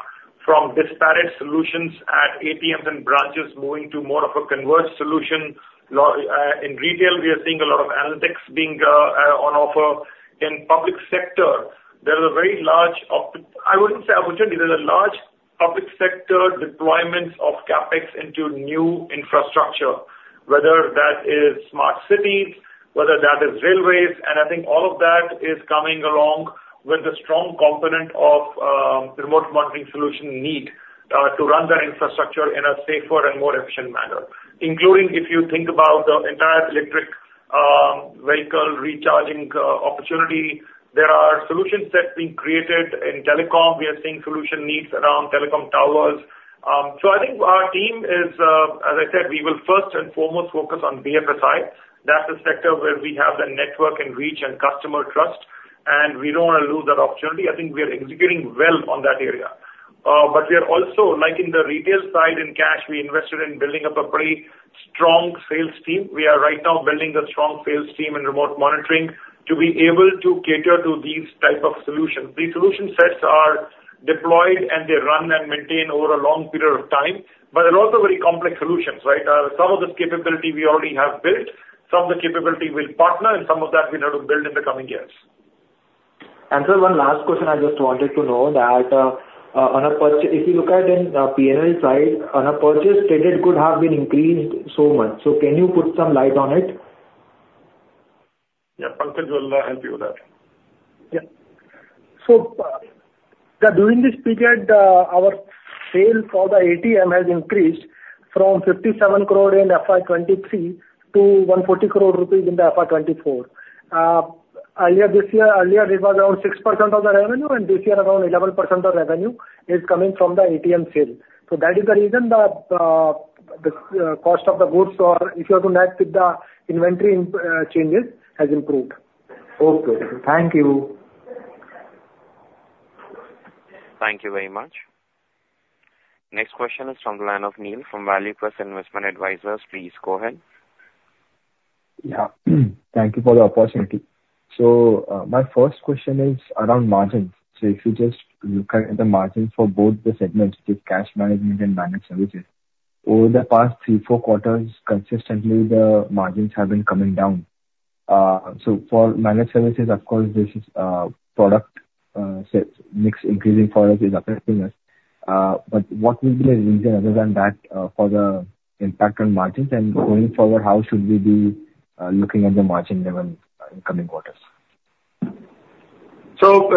from disparate solutions at ATMs and branches, moving to more of a converged solution. In retail, we are seeing a lot of analytics being on offer. In the public sector, there is a very large. I wouldn't say opportunity. There's a large public sector deployments of CapEx into new infrastructure, whether that is smart cities, whether that is railways, and I think all of that is coming along with a strong component of, remote monitoring solution need, to run the infrastructure in a safer and more efficient manner, including if you think about the entire electric, vehicle recharging, opportunity. There are solution sets being created in telecom. We are seeing solution needs around telecom towers. So I think our team is, as I said, we will first and foremost focus on BFSI. That's the sector where we have the network and reach and customer trust, and we don't want to lose that opportunity. I think we are executing well on that area. But we are also, like in the retail side, in cash, we invested in building up a pretty strong sales team. We are right now building a strong sales team in remote monitoring to be able to cater to these type of solutions. These solution sets are deployed, and they run and maintain over a long period of time, but they're also very complex solutions, right? Some of this capability we already have built, some of the capability we'll partner, and some of that we'll have to build in the coming years. One last question. I just wanted to know that, on a purchase, if you look at in, P&L side, on a purchase, credit could have been increased so much. Can you put some light on it? Yeah. Pankaj will help you with that. Yeah. So, during this period, our sale for the ATM has increased from 57 crore in FY 2023 to 140 crore rupees in the FY 2024. Earlier this year, earlier it was around 6% of the revenue, and this year around 11% of revenue is coming from the ATM sale. So that is the reason the, the, cost of the goods or if you have to match with the inventory, changes, has improved. Okay. Thank you. Thank you very much. Next question is from the line of Neel from Valuequest Investment Advisors. Please go ahead. Yeah. Thank you for the opportunity. So, my first question is around margins. So if you just look at the margins for both the segments, the cash management and managed services, over the past three, four quarters consistently, the margins have been coming down. So for managed services, of course, this is, product, so mix increasing product is affecting us. But what will be the reason other than that, for the impact on margins? And going forward, how should we be, looking at the margin level, in coming quarters? So,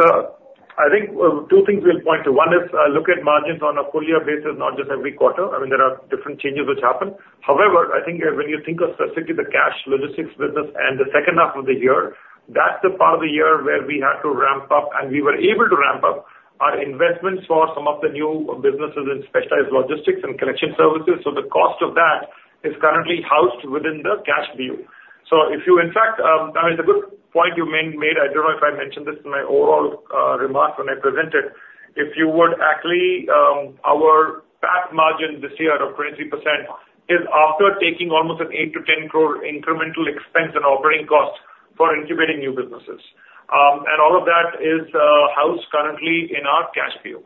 I think two things we'll point to. One is, look at margins on a full year basis, not just every quarter. I mean, there are different changes which happen. However, I think when you think of specifically the cash logistics business and the second half of the year, that's the part of the year where we had to ramp up, and we were able to ramp up our investments for some of the new businesses in specialized logistics and collection services, so the cost of that is currently housed within the cash view. So if you in fact, I mean, it's a good point you made. I don't know if I mentioned this in my overall remarks when I presented. If you would actually, our PAT margin this year of 23% is after taking almost an 8 crore-10 crore incremental expense and operating costs for incubating new businesses. And all of that is housed currently in our cash view.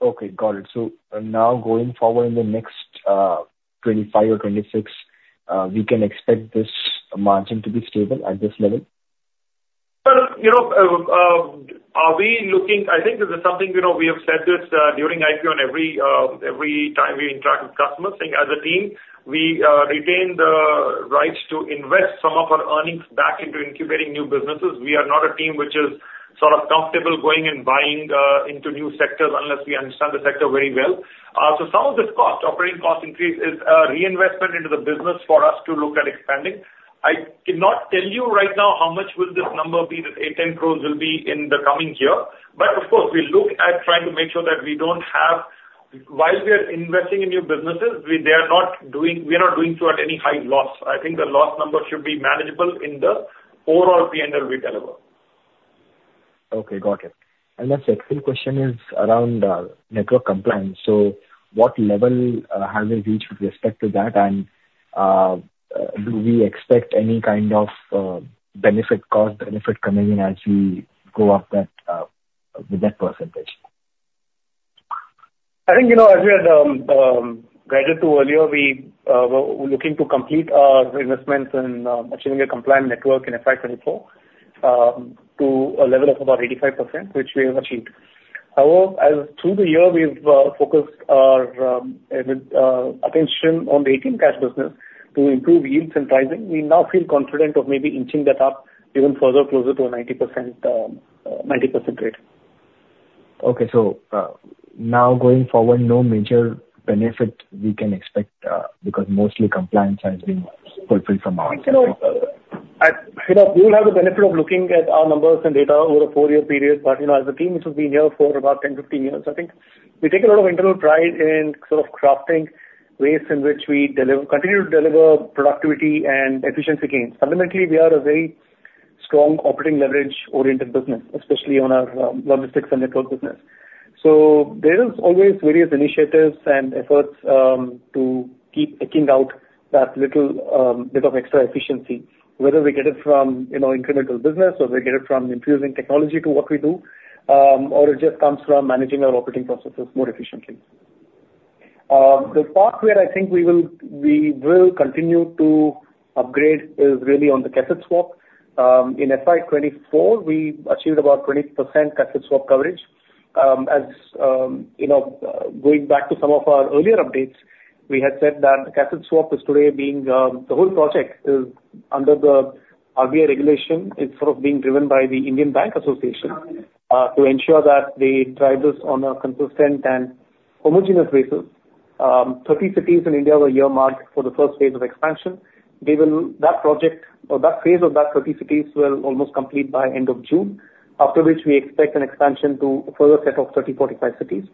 Okay, got it. So now going forward in the next 2025 or 2026, we can expect this margin to be stable at this level? Well, you know, I think this is something, you know, we have said this during IPO and every time we interact with customers. I think as a team, we retain the rights to invest some of our earnings back into incubating new businesses. We are not a team which is sort of comfortable going and buying into new sectors unless we understand the sector very well. So some of this cost, operating cost increase, is a reinvestment into the business for us to look at expanding. I cannot tell you right now how much will this number be, that 8-10 crore will be in the coming year. But of course, we look at trying to make sure that we don't have, while we are investing in new businesses, we, they are not doing, we are not doing so at any high loss. I think the loss number should be manageable in the overall P&L we deliver. Okay, got it. And my second question is around network compliance. So what level have we reached with respect to that? And do we expect any kind of benefit, cost benefit coming in as we go up that with that percentage? I think, you know, as we had guided to earlier, we're looking to complete our investments in achieving a compliant network in FY 2024 to a level of about 85%, which we have achieved. However, as through the year, we've focused our attention on the ATM cash business to improve yields and pricing. We now feel confident of maybe inching that up even further, closer to a 90%, 90% rate. Okay, so, now going forward, no major benefit we can expect, because mostly compliance has been fulfilled from our end? I think, you know, we will have the benefit of looking at our numbers and data over a four-year period. But, you know, as a team, which has been here for about 10, 15 years, I think we take a lot of internal pride in sort of crafting ways in which we deliver, continue to deliver productivity and efficiency gains. Ultimately, we are a very strong operating leverage-oriented business, especially on our logistics and network business. So there is always various initiatives and efforts to keep taking out that little bit of extra efficiency, whether we get it from, you know, incremental business, or we get it from infusing technology to what we do, or it just comes from managing our operating processes more efficiently. The part where I think we will, we will continue to upgrade is really on the cassette swap. In FY 2024, we achieved about 20% cassette swap coverage. As, you know, going back to some of our earlier updates, we had said that cassette swap is today being, the whole project is under the RBI regulation. It's sort of being driven by the Indian Bank Association, to ensure that we drive this on a consistent and homogeneous basis. 30 cities in India were earmarked for the first phase of expansion. Given that project or that phase of that 30 cities will almost complete by end of June, after which we expect an expansion to a further set of 30-45 cities.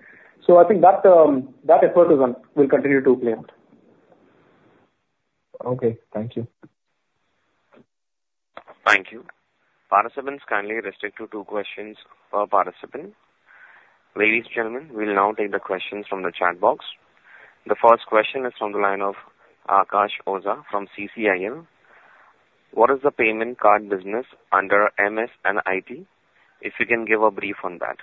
So I think that, that effort is on, will continue to play out. Okay, thank you. Thank you. Participants, kindly restrict to two questions per participant. Ladies and gentlemen, we will now take the questions from the chat box. The first question is from the line of Akash Oza from CCIL: What is the payment card business under MS and IT? If you can give a brief on that.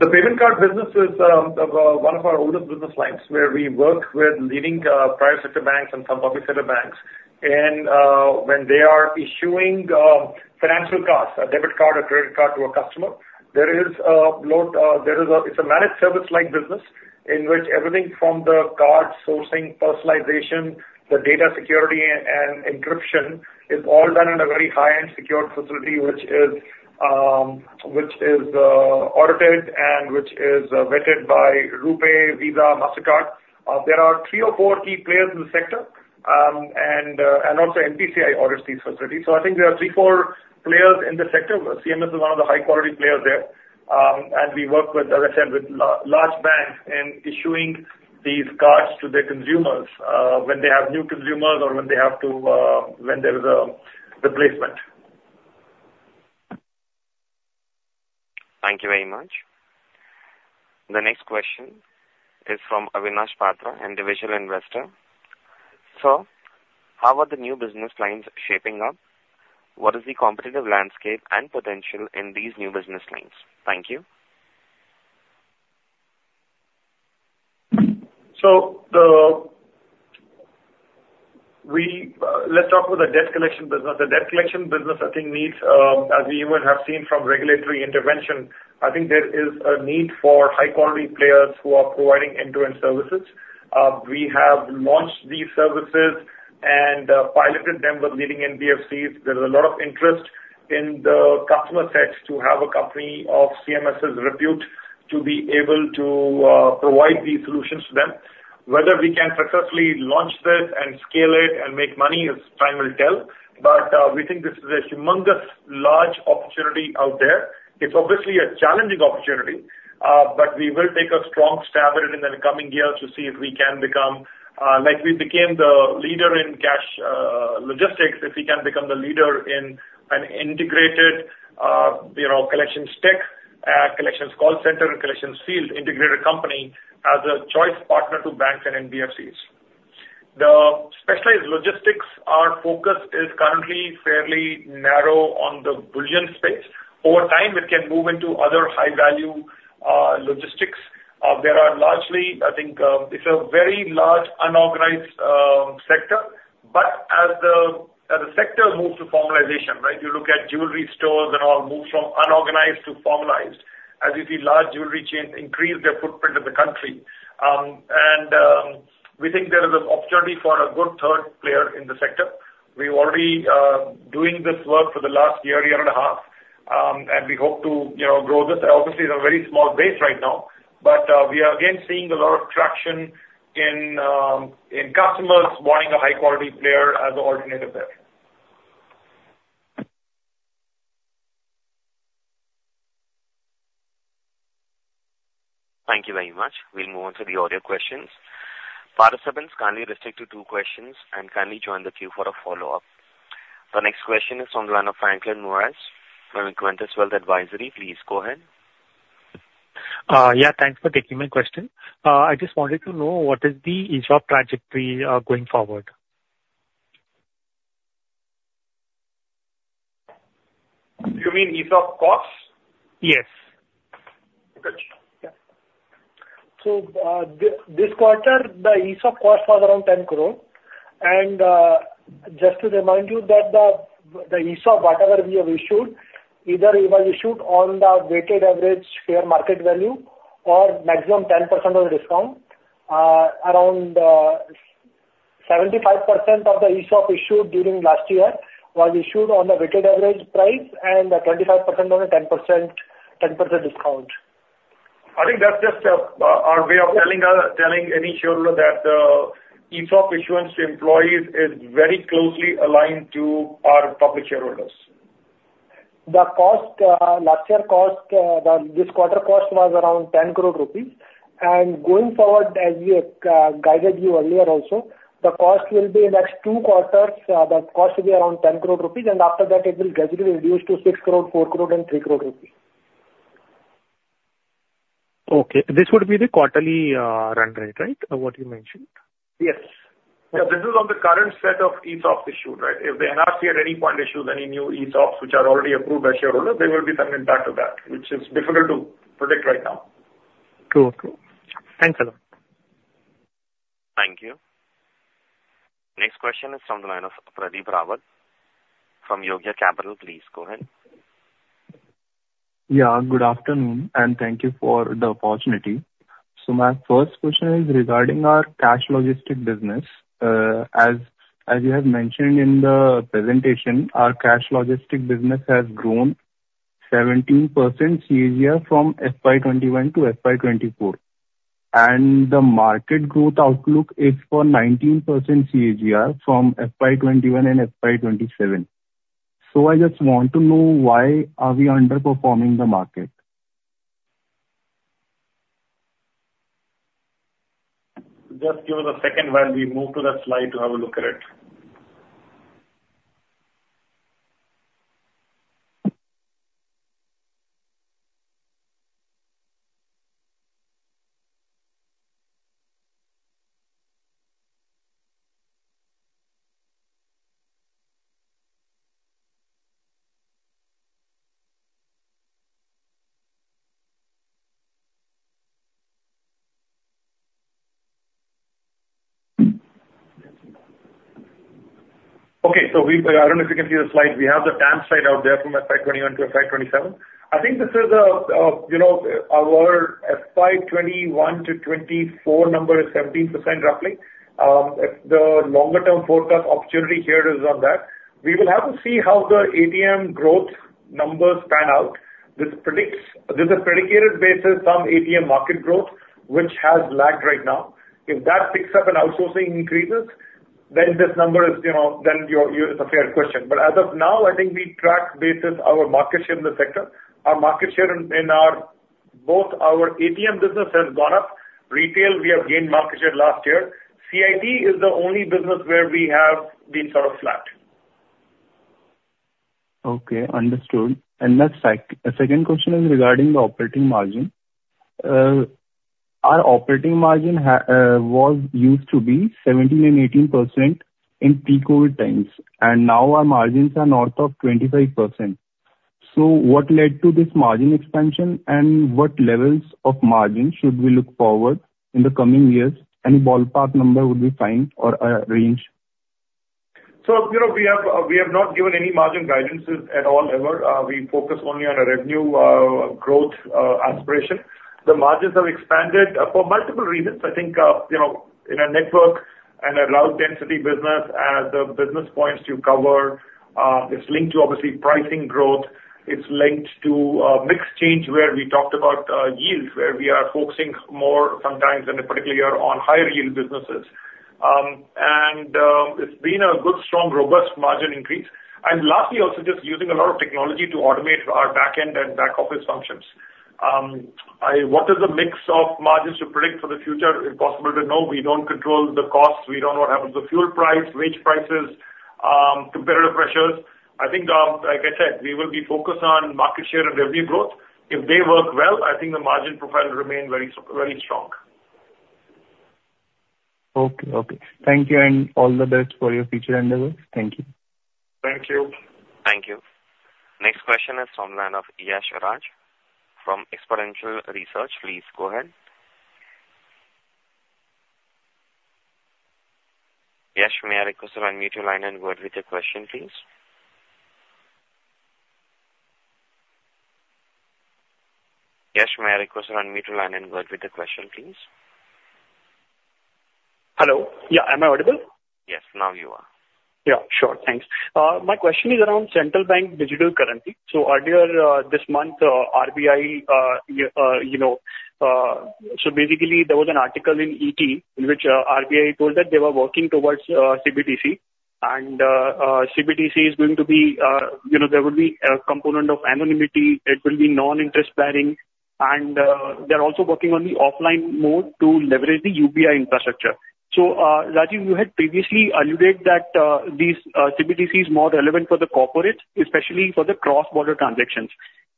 The payment card business is one of our oldest business lines, where we work with leading private sector banks and some public sector banks. When they are issuing financial cards, a debit card or credit card to a customer, it's a managed service-like business, in which everything from the card sourcing, personalization, the data security and encryption is all done in a very high-end secured facility, which is audited and which is vetted by RuPay, Visa, Mastercard. There are three or four key players in the sector, and also NPCI audits these facilities. So I think there are three, four players in the sector, where CMS is one of the high-quality players there. And we work with, as I said, with large banks in issuing these cards to their consumers, when they have new consumers or when there is a replacement. Thank you very much. The next question is from Avinash Patra, individual investor. How are the new business lines shaping up? What is the competitive landscape and potential in these new business lines? Thank you. So, let's talk about the debt collection business. The debt collection business, I think, needs, as we even have seen from regulatory intervention, I think there is a need for high-quality players who are providing end-to-end services. We have launched these services and piloted them with leading NBFCs. There is a lot of interest in the customer sets to have a company of CMS's repute to be able to provide these solutions to them... whether we can successfully launch this and scale it and make money, as time will tell. But, we think this is a humongous, large opportunity out there. It's obviously a challenging opportunity, but we will take a strong stab at it in the coming years to see if we can become, like we became the leader in cash logistics, if we can become the leader in an integrated, you know, collections tech, collections call center and collections field integrated company as a choice partner to banks and NBFCs. The specialized logistics, our focus is currently fairly narrow on the bullion space. Over time, it can move into other high-value logistics. There are largely, I think, it's a very large, unorganized sector, but as the sector moves to formalization, right? You look at jewelry stores and all move from unorganized to formalized as you see large jewelry chains increase their footprint in the country. We think there is an opportunity for a good third player in the sector. We're already doing this work for the last year and a half. We hope to, you know, grow this. Obviously, it's a very small base right now, but we are again seeing a lot of traction in customers wanting a high-quality player as an alternative there. Thank you very much. We'll move on to the audio questions. Participants, kindly restrict to two questions, and kindly join the queue for a follow-up. The next question is from the line of Franklin Moraes from Equentis Wealth Advisory. Please go ahead. Yeah, thanks for taking my question. I just wanted to know what is the ESOP trajectory, going forward? You mean ESOP costs? Yes. Got you. Yeah. This quarter, the ESOP cost was around 10 crore. Just to remind you that the ESOP, whatever we have issued, either it was issued on the weighted average fair market value or maximum 10% of the discount. Around 75% of the ESOP issued during last year was issued on a weighted average price and 25% on a 10% discount. I think that's just our way of telling any shareholder that ESOP issuance to employees is very closely aligned to our public shareholders. The cost, last year cost, the this quarter cost was around 10 crore rupees. Going forward, as we guided you earlier also, the cost will be in the next two quarters, the cost will be around 10 crore rupees, and after that it will gradually reduce to 6 crore, 4 crore and 3 crore rupees. Okay, this would be the quarterly run rate, right? What you mentioned. Yes. Yeah, this is on the current set of ESOPs issued, right? If the NRC at any point issues any new ESOPs, which are already approved by shareholders, they will be coming back to that, which is difficult to predict right now. Cool. Cool. Thanks a lot. Thank you. Next question is from the line of Pradeep Rawat from Yogya Capital. Please go ahead. Yeah, good afternoon, and thank you for the opportunity. So my first question is regarding our cash logistics business. As you have mentioned in the presentation, our cash logistics business has grown 17% CAGR from FY 2021 to FY 2024, and the market growth outlook is for 19% CAGR from FY 2021 and FY 2027. So I just want to know why are we underperforming the market? Just give us a second while we move to that slide to have a look at it. Okay. So we, I don't know if you can see the slide. We have the TAM slide out there from FY 2021 to FY 2027. I think this is, you know, our FY 2021 to 2024 number is 17% roughly. If the longer term forecast opportunity here is on that, we will have to see how the ATM growth numbers pan out. This predicts... This is predicated basis some ATM market growth, which has lagged right now. If that picks up and outsourcing increases, then this number is, you know, then you're, you're, it's a fair question. But as of now, I think we track basis our market share in the sector. Our market share in, in our, both our ATM business has gone up. Retail, we have gained market share last year. CIT is the only business where we have been sort of flat. Okay, understood. And next fact, second question is regarding the operating margin. Our operating margin was used to be 17% and 18% in pre-COVID times, and now our margins are north of 25%. So what led to this margin expansion? And what levels of margin should we look forward in the coming years? Any ballpark number would be fine or a range. So, you know, we have, we have not given any margin guidances at all, ever. We focus only on a revenue growth aspiration. The margins have expanded for multiple reasons. I think, you know, and a low density business as the business points you cover is linked to obviously pricing growth. It's linked to mix change, where we talked about yields, where we are focusing more sometimes, in a particular year, on higher yield businesses. And it's been a good, strong, robust margin increase. And lastly, also just using a lot of technology to automate our back-end and back office functions. What is the mix of margins to predict for the future? Impossible to know. We don't control the costs. We don't know what happens to fuel price, wage prices, competitive pressures. I think, like I said, we will be focused on market share and revenue growth. If they work well, I think the margin profile will remain very strong. Okay. Okay. Thank you, and all the best for your future endeavors. Thank you. Thank you. Thank you. Next question is from the line of Yash Rachh from Exponential Research. Please go ahead. Yash, may I request you unmute your line and go with your question, please? Yash, may I request you unmute your line and go with the question, please? Hello. Yeah. Am I audible? Yes, now you are. Yeah, sure. Thanks. My question is around central bank digital currency. So earlier, this month, RBI, you know... So basically, there was an article in ET, in which, RBI told that they were working towards, CBDC, and, CBDC is going to be, you know, there will be a component of anonymity, it will be non-interest bearing, and, they're also working on the offline mode to leverage the UPI infrastructure. So, Rajiv, you had previously alluded that, these, CBDC is more relevant for the corporates, especially for the cross-border transactions.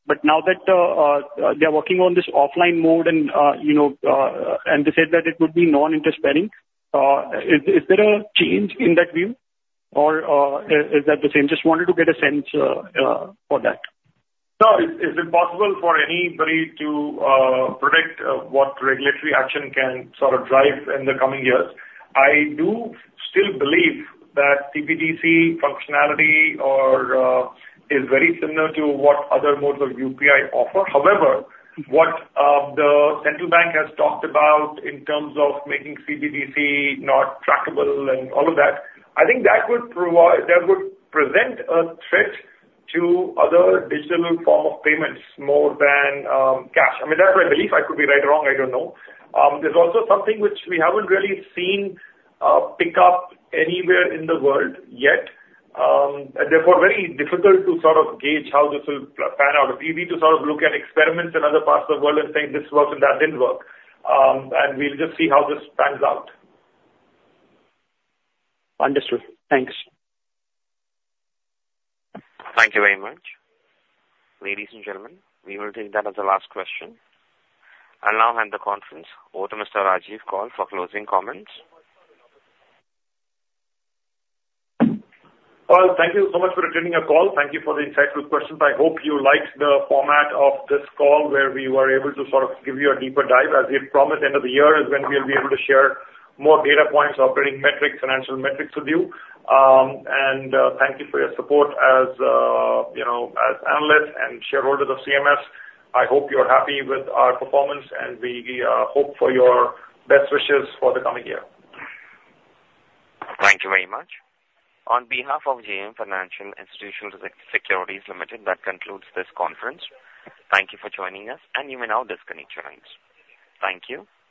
But now that, they are working on this offline mode and, you know, and they said that it would be non-interest bearing, is, is there a change in that view, or, is, is that the same? Just wanted to get a sense, for that. No, it's impossible for anybody to predict what regulatory action can sort of drive in the coming years. I do still believe that CBDC functionality or is very similar to what other modes of UPI offer. However, what the central bank has talked about in terms of making CBDC not trackable and all of that, I think that could provide that would present a threat to other digital form of payments more than cash. I mean, that's my belief. I could be right or wrong, I don't know. There's also something which we haven't really seen pick up anywhere in the world yet, and therefore, very difficult to sort of gauge how this will pan out. Easy to sort of look at experiments in other parts of the world and think, "This worked, and that didn't work." We'll just see how this pans out. Understood. Thanks. Thank you very much. Ladies and gentlemen, we will take that as the last question. I now hand the conference over to Mr. Rajiv Kaul for closing comments. Well, thank you so much for attending our call. Thank you for the insightful questions. I hope you liked the format of this call, where we were able to sort of give you a deeper dive. As we had promised, end of the year is when we'll be able to share more data points, operating metrics, financial metrics with you. Thank you for your support as, you know, as analysts and shareholders of CMS. I hope you're happy with our performance, and we hope for your best wishes for the coming year. Thank you very much. On behalf of JM Financial Institutional Securities Limited, that concludes this conference. Thank you for joining us, and you may now disconnect your lines. Thank you.